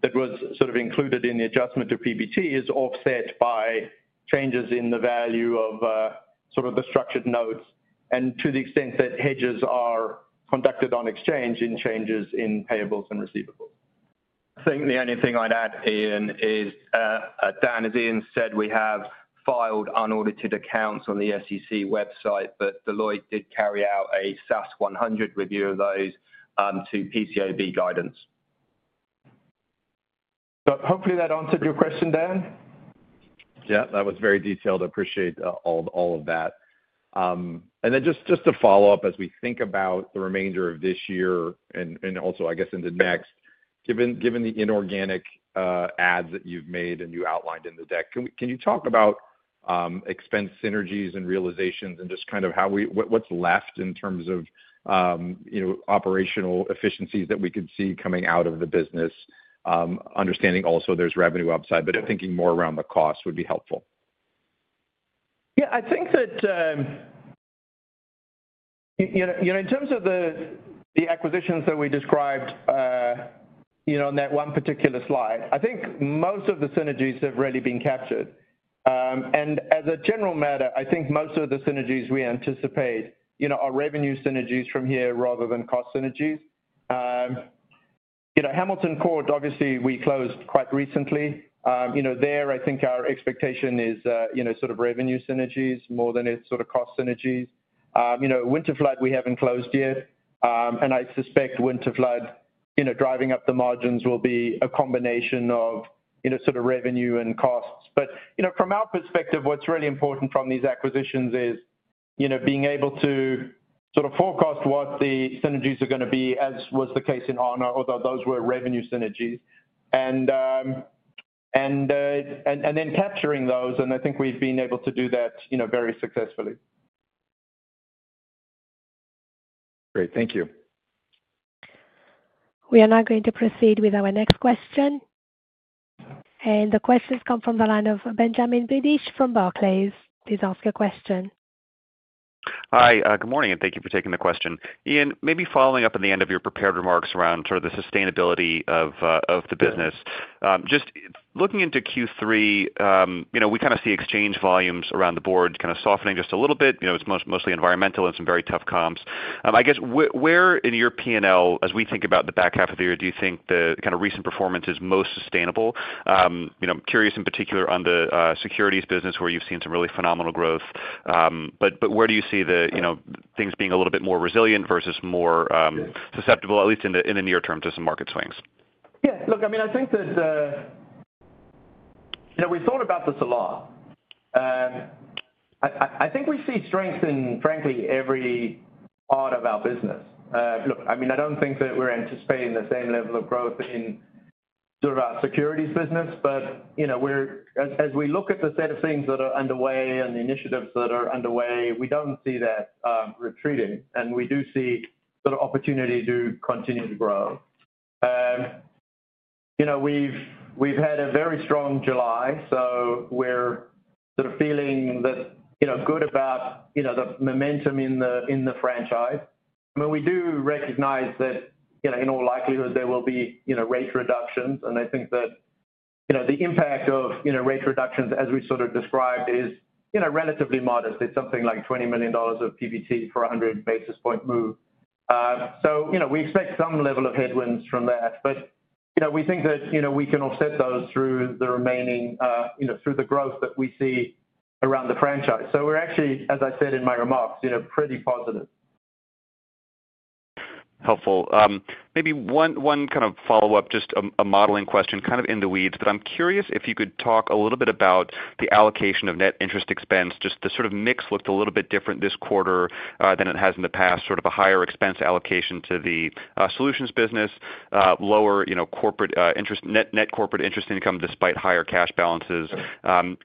that was included in the adjustment to PBT is offset by changes in the value of the structured notes and to the extent that hedges are conducted on exchange in changes in payables and receivables. I think the only thing I'd add, Ian, is, as Ian said, we have filed unaudited accounts on the SEC website, but Deloitte did carry out a SAS 100 review of those to PCAOB guidance. Hopefully, that answered your question, Dan. Yeah, that was very detailed. I appreciate all of that. Just to follow up, as we think about the remainder of this year and also, I guess, into next, given the inorganic adds that you've made and you outlined in the deck, can you talk about expense synergies and realizations and just kind of what's left in terms of operational efficiencies that we could see coming out of the business? Understanding also there's revenue upside, but thinking more around the cost would be helpful. Yeah, I think that, you know, in terms of the acquisitions that we described on that one particular slide, I think most of the synergies have really been captured. As a general matter, I think most of the synergies we anticipate are revenue synergies from here rather than cost synergies. You know, Hamilton Court, obviously, we closed quite recently. There, I think our expectation is sort of revenue synergies more than it's sort of cost synergies. You know, Winterflood, we haven't closed yet. I suspect Winterflood, you know, driving up the margins will be a combination of sort of revenue and costs. From our perspective, what's really important from these acquisitions is, you know, being able to sort of forecast what the synergies are going to be, as was the case in Aarna, although those were revenue synergies, and then capturing those. I think we've been able to do that, you know, very successfully. Great, thank you. We are now going to proceed with our next question. The questions come from the line of Benjamin Budish from Barclays. Please ask your question. Hi, good morning, and thank you for taking the question. Ian, maybe following up at the end of your prepared remarks around sort of the sustainability of the business. Just looking into Q3, we kind of see exchange volumes around the board kind of softening just a little bit. It's mostly environmental and some very tough comps. I guess, where in your P&L, as we think about the back half of the year, do you think the kind of recent performance is most sustainable? I'm curious in particular on the securities business where you've seen some really phenomenal growth. Where do you see the things being a little bit more resilient versus more susceptible, at least in the near term, to some market swings? Yeah, look, I mean, I think that we've thought about this a lot. I think we see strength in, frankly, every part of our business. I don't think that we're anticipating the same level of growth in sort of our securities business. As we look at the set of things that are underway and the initiatives that are underway, we don't see that retreating. We do see opportunity to continue to grow. We've had a very strong July, so we're feeling good about the momentum in the franchise. We do recognize that, in all likelihood, there will be rate reductions. I think that the impact of rate reductions, as we described, is relatively modest. It's something like $20 million of PBT for a 100 basis point move. We expect some level of headwinds from that. We think that we can offset those through the growth that we see around the franchise. As I said in my remarks, we're pretty positive. Helpful. Maybe one kind of follow-up, just a modeling question, kind of in the weeds, but I'm curious if you could talk a little bit about the allocation of net interest expense. Just the sort of mix looked a little bit different this quarter than it has in the past, sort of a higher expense allocation to the solutions business, lower, you know, corporate interest, net corporate interest income despite higher cash balances.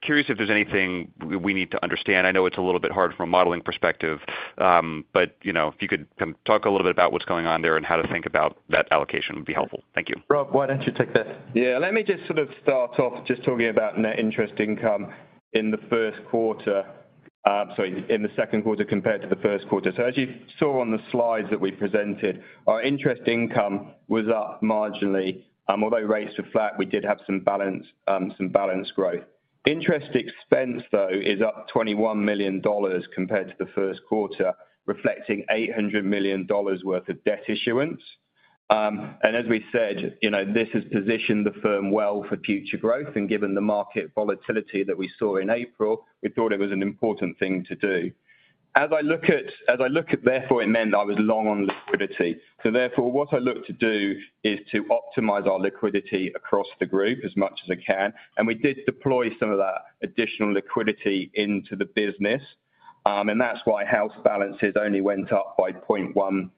Curious if there's anything we need to understand. I know it's a little bit hard from a modeling perspective, but if you could kind of talk a little bit about what's going on there and how to think about that allocation would be helpful. Thank you. Rob, why don't you take that? Yes. Let me just sort of start off just talking about net interest income in the second quarter compared to the first quarter. As you saw on the slides that we presented, our interest income was up marginally. Although rates were flat, we did have some balance growth. Interest expense, though, is up $21 million compared to the first quarter, reflecting $800 million worth of debt issuance. As we said, this has positioned the firm well for future growth. Given the market volatility that we saw in April, we thought it was an important thing to do. As I look at it, therefore, it meant I was long on liquidity. Therefore, what I look to do is to optimize our liquidity across the group as much as I can. We did deploy some of that additional liquidity into the business, and that's why house balances only went up by $0.1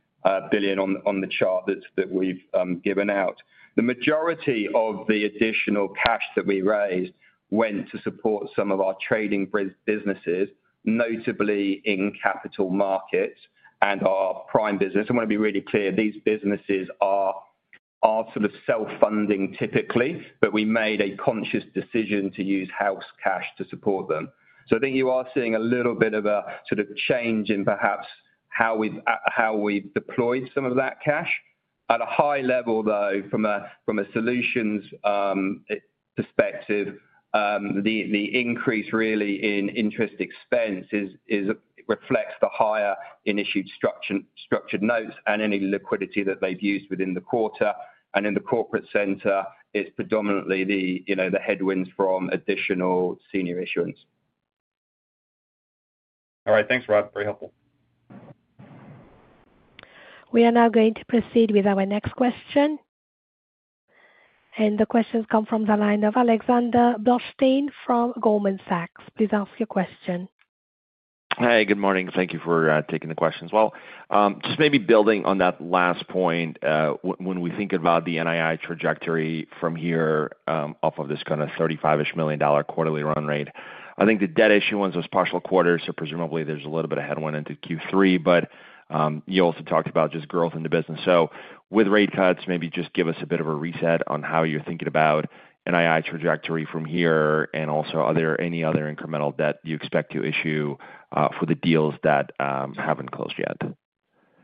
billion on the chart that we've given out. The majority of the additional cash that we raised went to support some of our trading businesses, notably in capital markets and our prime business. I want to be really clear, these businesses are sort of self-funding typically, but we made a conscious decision to use house cash to support them. I think you are seeing a little bit of a sort of change in perhaps how we've deployed some of that cash. At a high level, though, from a solutions perspective, the increase really in interest expense reflects the higher in issued structured notes and any liquidity that they've used within the quarter. In the corporate center, it's predominantly the headwinds from additional senior issuance. All right, thanks, Rob. Very helpful. We are now going to proceed with our next question. The questions come from the line of Alexander Blostein from Goldman Sachs. Please ask your question. Hey, good morning. Thank you for taking the questions. Maybe building on that last point, when we think about the NII trajectory from here off of this kind of $35 million quarterly run rate, I think the debt issue was partial quarter, so presumably there's a little bit of headwind into Q3. You also talked about just growth in the business. With rate cuts, maybe just give us a bit of a reset on how you're thinking about NII trajectory from here and also any other incremental debt you expect to issue for the deals that haven't closed yet.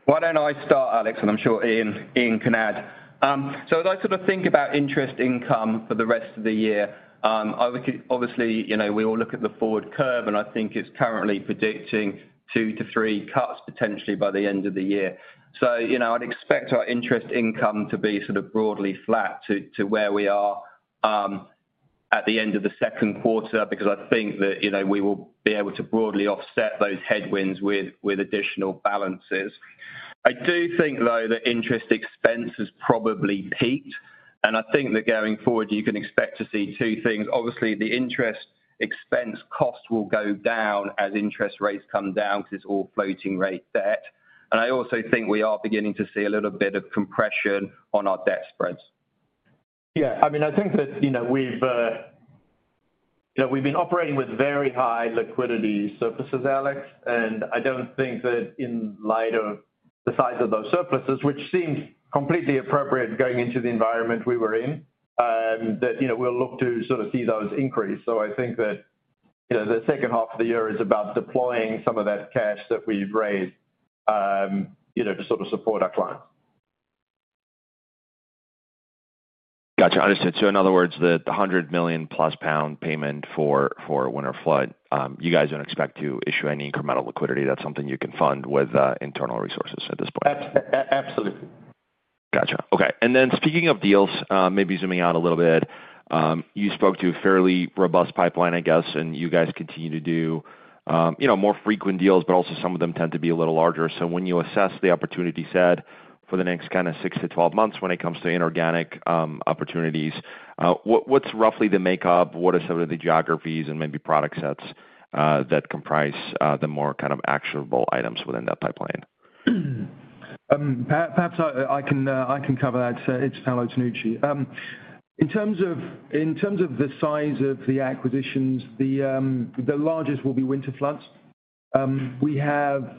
Why don't I start, Alex, and I'm sure Ian can add? As I sort of think about interest income for the rest of the year, obviously, you know, we all look at the forward curve, and I think it's currently predicting two to three cuts potentially by the end of the year. I'd expect our interest income to be sort of broadly flat to where we are at the end of the second quarter because I think that we will be able to broadly offset those headwinds with additional balances. I do think, though, that interest expense has probably peaked, and I think that going forward, you can expect to see two things. Obviously, the interest expense cost will go down as interest rates come down because it's all floating rate debt. I also think we are beginning to see a little bit of compression on our debt spreads. Yes. I mean, I think that we've been operating with very high liquidity surpluses, Alex, and I don't think that in light of the size of those surpluses, which seemed completely appropriate going into the environment we were in, that we'll look to sort of see those increase. I think that the second half of the year is about deploying some of that cash that we've raised to sort of support our clients. Got you. Understood. In other words, the £100 million plus payment for Winterflood, you guys don't expect to issue any incremental liquidity. That's something you can fund with internal resources at this point. Absolutely. Got you. Okay. Speaking of deals, maybe zooming out a little bit, you spoke to a fairly robust pipeline, I guess, and you guys continue to do more frequent deals, but also some of them tend to be a little larger. When you assess the opportunity set for the next kind of 6-12 months when it comes to inorganic opportunities, what's roughly the makeup? What are some of the geographies and maybe product sets that comprise the more kind of actionable items within that pipeline? Perhaps I can cover that. It's Paolo Tonucci. In terms of the size of the acquisitions, the largest will be Winterflood. We have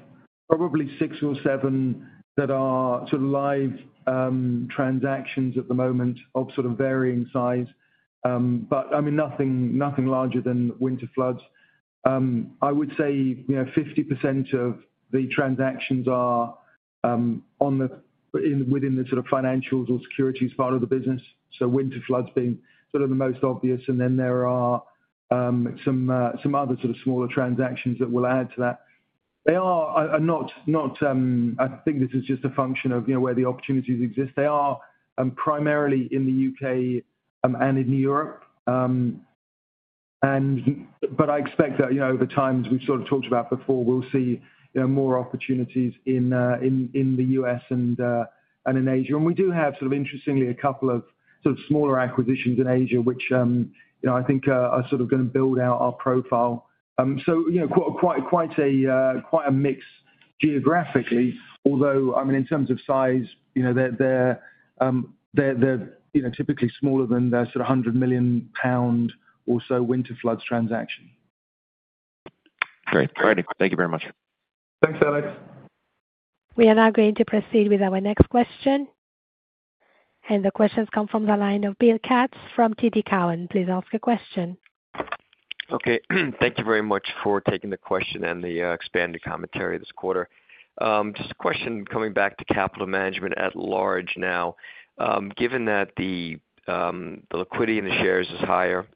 probably six or seven that are live transactions at the moment of varying size, but nothing larger than Winterflood. I would say 50% of the transactions are within the financials or securities part of the business. Winterflood being the most obvious, and then there are some other smaller transactions that will add to that. They are not, I think this is just a function of where the opportunities exist. They are primarily in the U.K. and in Europe. I expect that over time, as we've talked about before, we'll see more opportunities in the U.S. and in Asia. We do have interestingly a couple of smaller acquisitions in Asia, which I think are going to build out our profile. Quite a mix geographically, although in terms of size, they're typically smaller than the £100 million or so Winterflood transaction. Great. Thank you very much. Thanks, Alex. We are now going to proceed with our next question. The questions come from the line of Bill Katz from TD Cowen. Please ask your question. Thank you very much for taking the question and the expanded commentary this quarter. Just a question coming back to capital management at large now. Given that the liquidity in the shares is higher,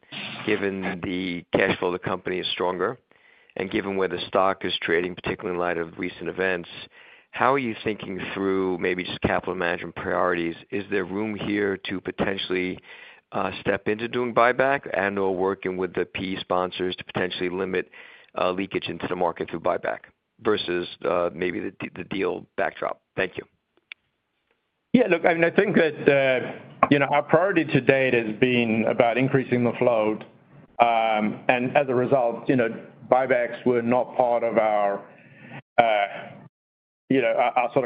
given the cash flow of the company is stronger, and given where the stock is trading, particularly in light of recent events, how are you thinking through maybe just capital management priorities? Is there room here to potentially step into doing buyback and/or working with the PE sponsors to potentially limit leakage into the market through buyback versus maybe the deal backdrop? Thank you. Yeah, look, I think that our priority to date has been about increasing the float. As a result, buybacks were not part of our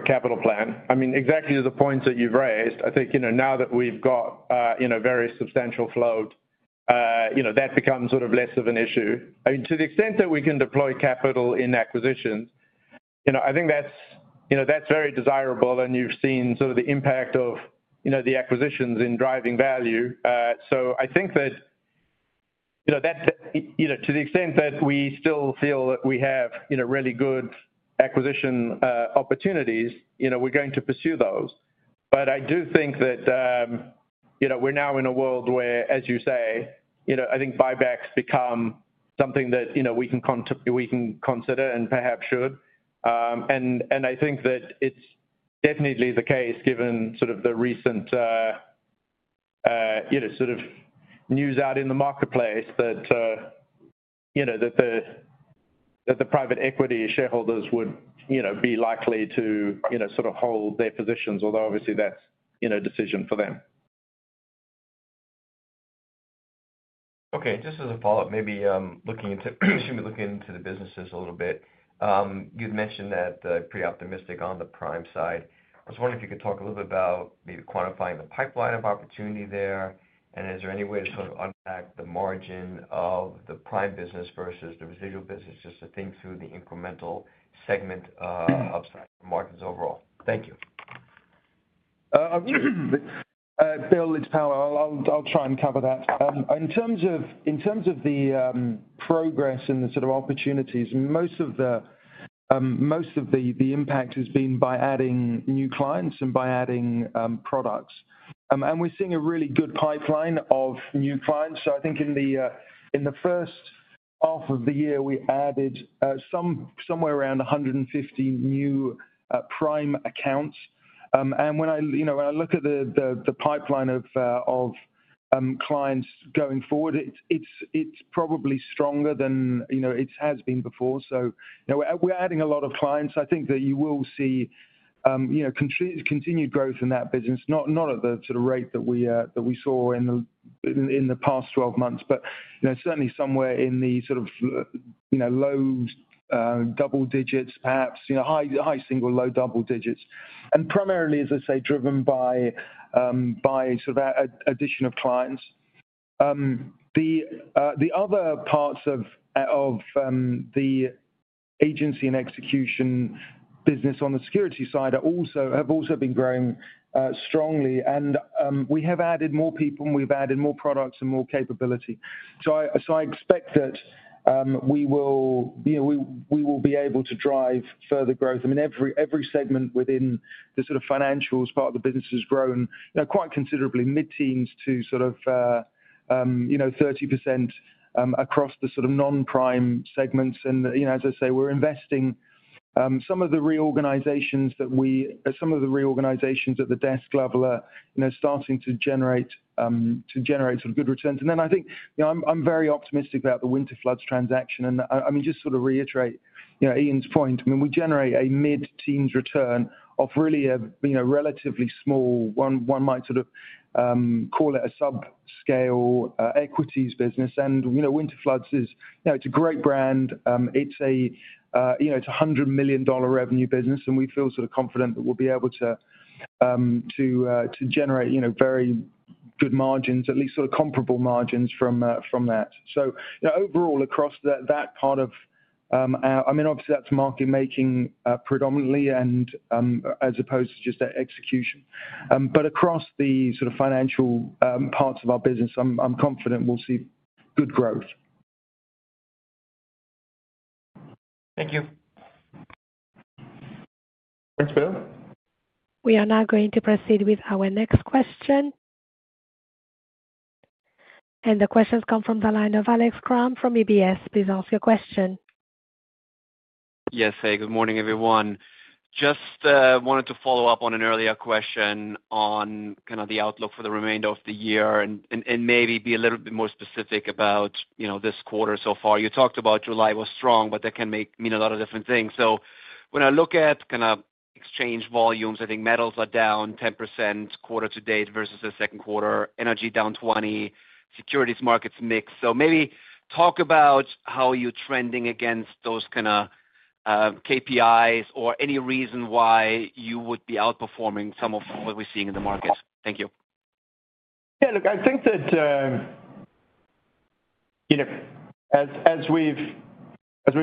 capital plan. Exactly to the points that you've raised, now that we've got a very substantial float, that becomes less of an issue. To the extent that we can deploy capital in acquisitions, I think that's very desirable. You've seen the impact of the acquisitions in driving value. I think that to the extent that we still feel that we have really good acquisition opportunities, we're going to pursue those. I do think that we're now in a world where, as you say, I think buybacks become something that we can consider and perhaps should. I think that it's definitely the case given the recent news out in the marketplace that the private equity shareholders would be likely to hold their positions, although obviously that's a decision for them. Okay. Just as a follow-up, maybe looking into the businesses a little bit, you've mentioned that they're pretty optimistic on the prime side. I was wondering if you could talk a little bit about maybe quantifying the pipeline of opportunity there. Is there any way to sort of unpack the margin of the prime business versus the residual business just to think through the incremental segment upside margins overall? Thank you. Bill, it's Paulo. I'll try and cover that. In terms of the progress and the sort of opportunities, most of the impact has been by adding new clients and by adding products. We're seeing a really good pipeline of new clients. I think in the first half of the year, we added somewhere around 150 new prime accounts. When I look at the pipeline of clients going forward, it's probably stronger than it has been before. We're adding a lot of clients. I think that you will see continued growth in that business, not at the sort of rate that we saw in the past 12 months, but certainly somewhere in the low double digits, perhaps high single, low double digits. Primarily, as I say, driven by that addition of clients. The other parts of the agency and execution business on the security side have also been growing strongly. We have added more people and we've added more products and more capability. I expect that we will be able to drive further growth. Every segment within the financials part of the business has grown quite considerably, mid-teens to 30% across the non-prime segments. We're investing; some of the reorganizations at the desk level are starting to generate good returns. I am very optimistic about the Winterflood acquisition. Just to reiterate Ian's point, we generate a mid-teens return off really a relatively small, one might call it a sub-scale equities business. Winterflood is a great brand. It's a $100 million revenue business. We feel confident that we'll be able to generate very good margins, at least comparable margins from that. Overall, across that part of our business, obviously, that's market making predominantly, as opposed to just execution, but across the financial parts of our business, I'm confident we'll see good growth. Thank you. Thanks, Bill. We are now going to proceed with our next question. The questions come from the line of Alex Kramm from Barclays. Please ask your question. Yes, hey, good morning everyone. Just wanted to follow up on an earlier question on kind of the outlook for the remainder of the year and maybe be a little bit more specific about, you know, this quarter so far. You talked about July was strong, but that can mean a lot of different things. When I look at kind of exchange volumes, I think metals are down 10% quarter to date versus the second quarter. Energy down 20%. Securities markets mix. Maybe talk about how you're trending against those kind of KPIs or any real. Why you would be outperforming some of what we're seeing in the market. Thank you. Yeah, look, I think that, as we've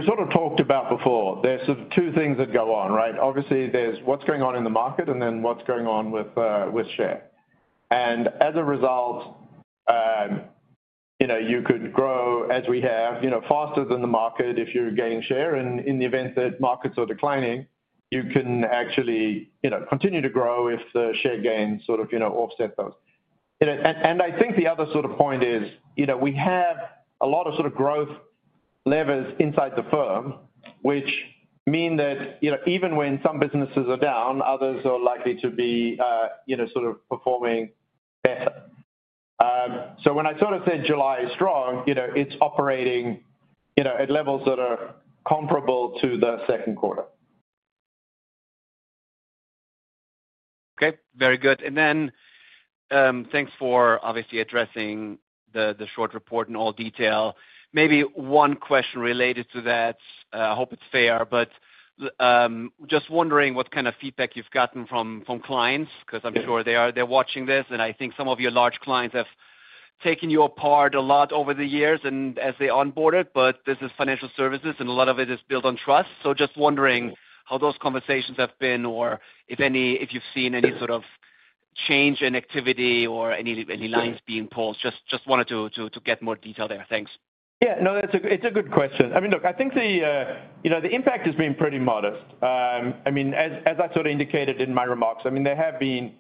sort of talked about before, there's sort of two things that go on, right? Obviously, there's what's going on in the market and then what's going on with share. As a result, you could grow as we have, faster than the market if you're gaining share. In the event that markets are declining, you can actually continue to grow if the share gains sort of offset those. I think the other sort of point is, we have a lot of sort of growth levers inside the firm, which means that even when some businesses are down, others are likely to be sort of performing better. When I sort of said July is strong, it's operating at levels that are comparable to the second quarter. Okay, very good. Thanks for obviously addressing the short seller report in all detail. Maybe one question related to that. I hope it's fair, but just wondering what kind of feedback you've gotten from clients, because I'm sure they're watching this. I think some of your large clients have taken your part a lot over the years as they onboarded. This is financial services, and a lot of it is built on trust. Just wondering how those conversations have been, or if any, if you've seen any sort of change in activity or any lines being pulled. Just wanted to get more detail there. Thanks. Yeah, no, it's a good question. I think the impact has been pretty modest. As I indicated in my remarks, there have been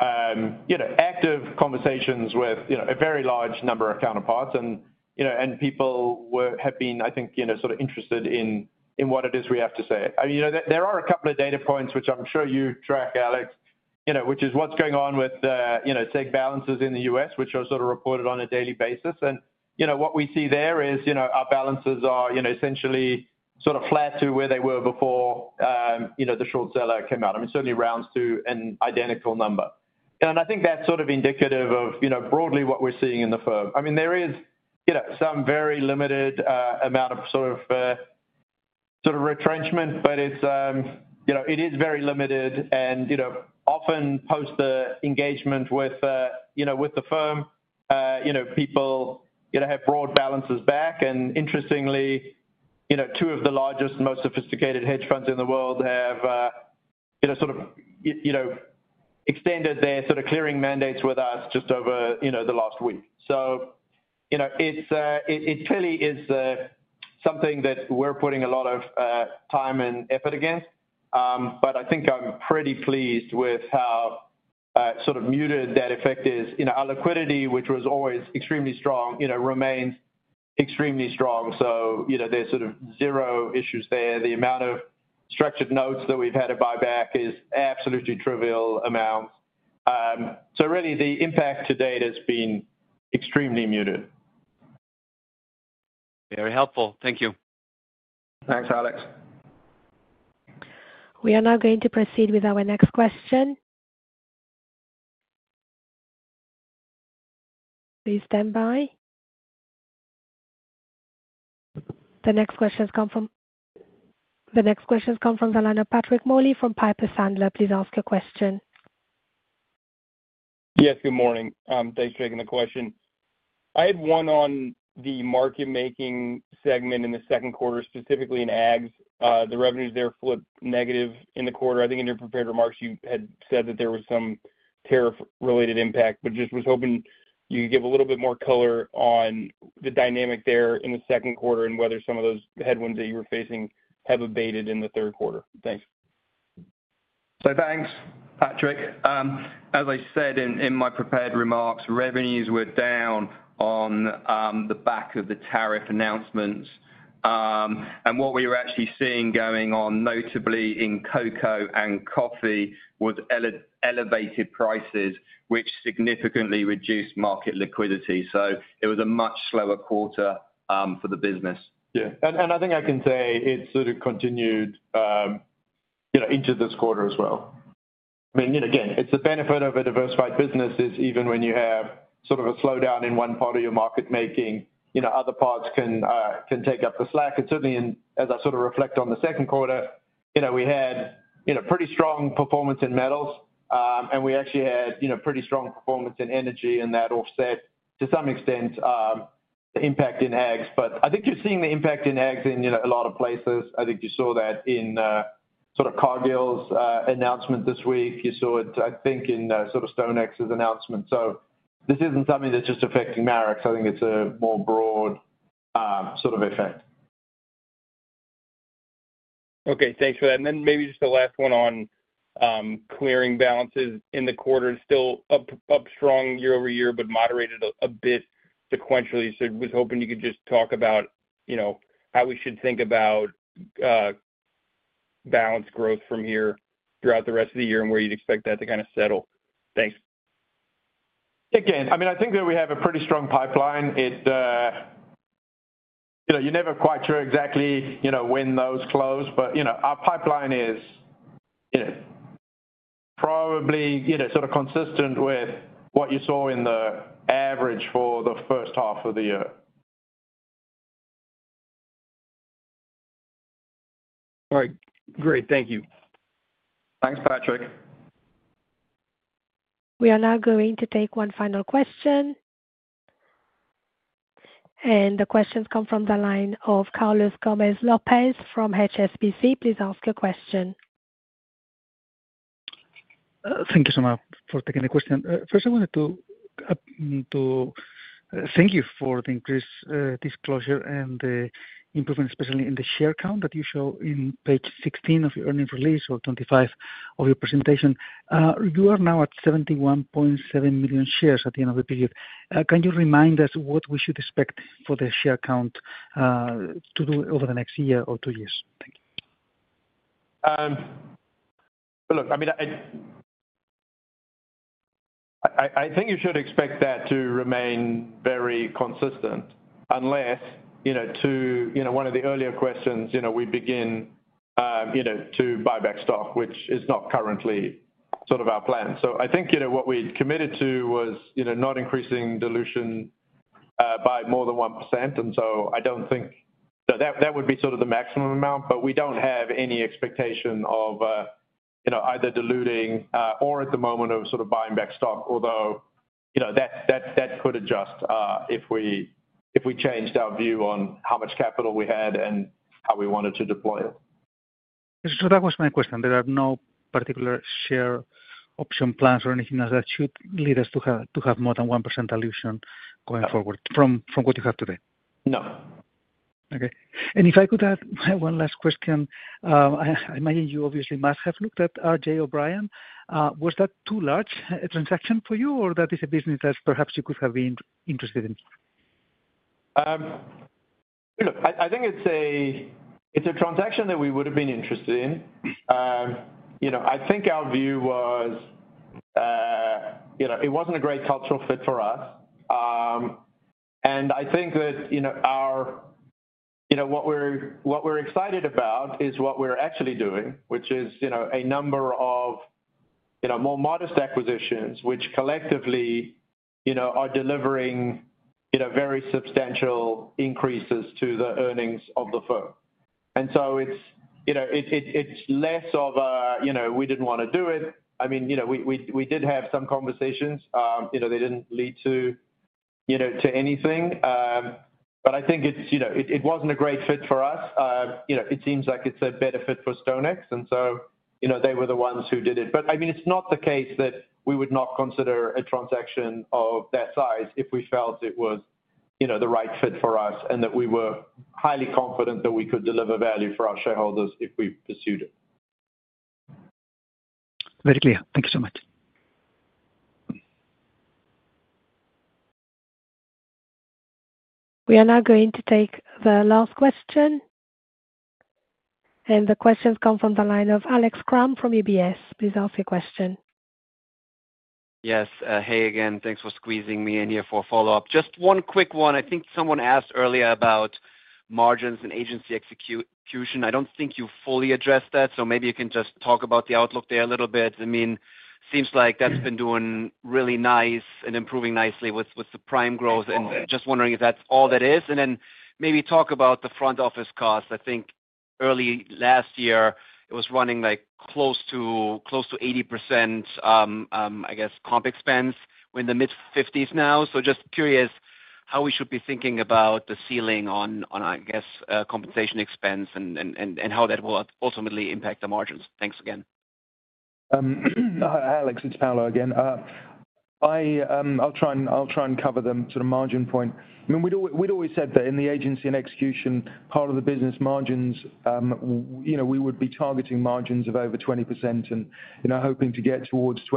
active conversations with a very large number of counterparts. People have been interested in what it is we have to say. There are a couple of data points, which I'm sure you track, Alex, which is what's going on with the tech balances in the U.S., which are reported on a daily basis. What we see there is our balances are essentially flat to where they were before the short seller report came out. It certainly rounds to an identical number, and I think that's indicative of broadly what we're seeing in the firm. There is some very limited amount of retrenchment, but it is very limited. Often, post the engagement with the firm, people have brought balances back. Interestingly, two of the largest and most sophisticated hedge funds in the world have extended their clearing mandates with us just over the last week. It clearly is something that we're putting a lot of time and effort against. I think I'm pretty pleased with how muted that effect is. Our liquidity, which was always extremely strong, remains extremely strong. There are zero issues there. The amount of structured notes that we've had to buy back is an absolutely trivial amount. Really, the impact to date has been extremely muted. Very helpful. Thank you. Thanks, Alex. We are now going to proceed with our next question. Please stand by. The next question has come from the line of Patrick Moley from Piper Sandler. Please ask your question. Yes, good morning. Thanks for taking the question. I had one on the market making segment in the second quarter, specifically in ag. The revenues there flipped negative in the quarter. I think in your prepared remarks, you had said that there was some tariff-related impact, but just was hoping you could give a little bit more color on the dynamic there in the second quarter and whether some of those headwinds that you were facing have abated in the third quarter. Thanks. Thank you, Patrick. As I said in my prepared remarks, revenues were down on the back of the tariff announcements. What we were actually seeing going on notably in cocoa and coffee was elevated prices, which significantly reduced market liquidity. It was a much slower quarter for the business. Yeah, I think I can say it sort of continued into this quarter as well. I mean, it's the benefit of a diversified business, even when you have sort of a slowdown in one part of your market making, other parts can take up the slack. Certainly, as I sort of reflect on the second quarter, we had pretty strong performance in metals. We actually had pretty strong performance in energy, and that offset to some extent the impact in ags. I think you've seen the impact in ags in a lot of places. I think you saw that in Cargill's announcement this week. You saw it in StoneX's announcement. This isn't something that's just affecting Marex. I think it's a more broad sort of effect. Okay, thanks for that. Maybe just the last one on clearing balances in the quarter is still up strong year-over-year, but moderated a bit sequentially. I was hoping you could just talk about how we should think about balance growth from here throughout the rest of the year and where you'd expect that to kind of settle. Thanks. I think that we have a pretty strong pipeline. You're never quite sure exactly when those close, but our pipeline is probably sort of consistent with what you saw in the average for the first half of the year. All right, great. Thank you. Thanks, Patrick. We are now going to take one final question. The question has come from the line of Carlos Gómez-López from HSBC. Please ask your question. Thank you so much for taking the question. First, I wanted to thank you for the increased disclosure and the improvement, especially in the share count that you show on page 16 of your earnings release or 25 of your presentation. You are now at 71.7 million shares at the end of the period. Can you remind us what we should expect for the share count to do over the next year or two years? I think you should expect that to remain very consistent unless, to one of the earlier questions, we begin to buy back stock, which is not currently our plan. I think what we committed to was not increasing dilution by more than 1%. I don't think that would be the maximum amount, but we don't have any expectation of either diluting or at the moment of buying back stock, although that could adjust if we changed our view on how much capital we had and how we wanted to deploy it. There are no particular share option plans or anything else that should lead us to have to have more than 1% dilution going forward from what you have today? No. Okay. If I could have one last question, I imagine you obviously must have looked at RJ O'Brien. Was that too large a transaction for you, or is that a business that perhaps you could have been interested in? I think it's a transaction that we would have been interested in. I think our view was it wasn't a great cultural fit for us. I think that what we're excited about is what we're actually doing, which is a number of more modest acquisitions, which collectively are delivering very substantial increases to the earnings of the firm. It's less of a we didn't want to do it. We did have some conversations. They didn't lead to anything. I think it wasn't a great fit for us. It seems like it's a better fit for StoneX. They were the ones who did it. It's not the case that we would not consider a transaction of that size if we felt it was the right fit for us and that we were highly confident that we could deliver value for our shareholders if we pursued it. Very clear. Thank you so much. We are now going to take the last question. The question has come from the line of Alex Kramm from UBS. Please ask your question. Yes. Hey, again, thanks for squeezing me in here for a follow-up. Just one quick one. I think someone asked earlier about margins and agency and execution. I don't think you fully addressed that. Maybe you can just talk about the outlook there a little bit. I mean, it seems like that's been doing really nice and improving nicely with the prime growth. Just wondering if that's all that is. Maybe talk about the front office costs. I think early last year, it was running close to 80% comp expense. We're in the mid-50% now. Just curious how we should be thinking about the ceiling on compensation expense and how that will ultimately impact the margins. Thanks again. Alex, it's Paolo again. I'll try and cover them to the margin point. We'd always said that in the agency and execution part of the business, margins, you know, we would be targeting margins of over 20% and, you know, hoping to get towards the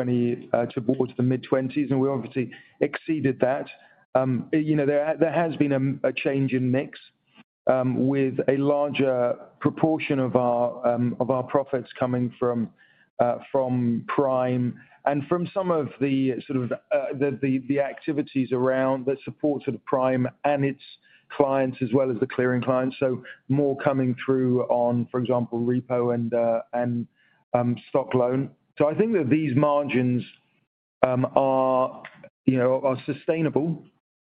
mid-20s. We obviously exceeded that. There has been a change in mix with a larger proportion of our profits coming from prime and from some of the activities around that support prime and its clients as well as the clearing clients. More coming through on, for example, repo and stock loan. I think that these margins are sustainable.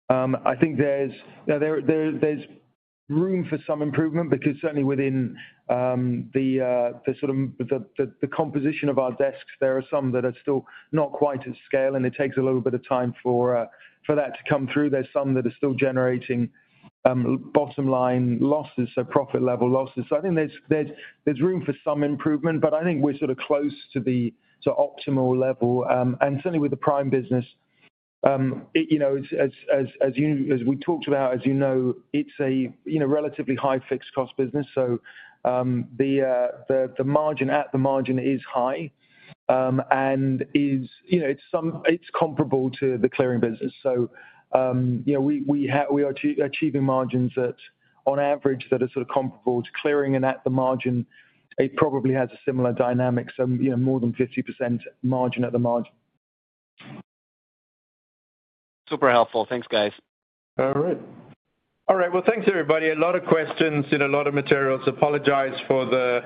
I think there's room for some improvement because certainly within the composition of our desks, there are some that are still not quite at scale and it takes a little bit of time for that to come through. There are some that are still generating bottom line losses, so profit level losses. I think there's room for some improvement, but I think we're close to the optimal level. Certainly with the prime business, as we talked about, as you know, it's a relatively high fixed cost business. The margin at the margin is high and is comparable to the clearing business. We are achieving margins that on average are comparable to clearing and at the margin, it probably has a similar dynamic. More than 50% margin at the margin. Super helpful. Thanks, guys. All right. Thank you, everybody. A lot of questions and a lot of materials. Apologize for the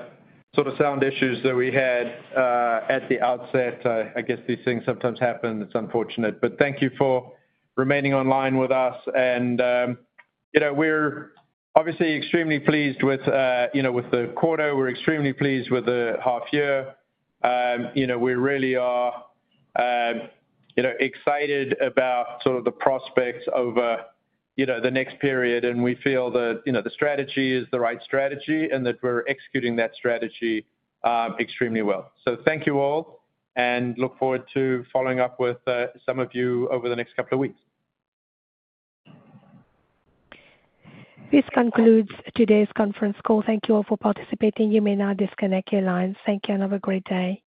sort of sound issues that we had at the outset. I guess these things sometimes happen. It's unfortunate. Thank you for remaining online with us. We're obviously extremely pleased with the quarter. We're extremely pleased with the half year. We really are excited about the prospects over the next period. We feel that the strategy is the right strategy and that we're executing that strategy extremely well. Thank you all and look forward to following up with some of you over the next couple of weeks. This concludes today's conference call. Thank you all for participating. You may now disconnect your lines. Thank you and have a great day.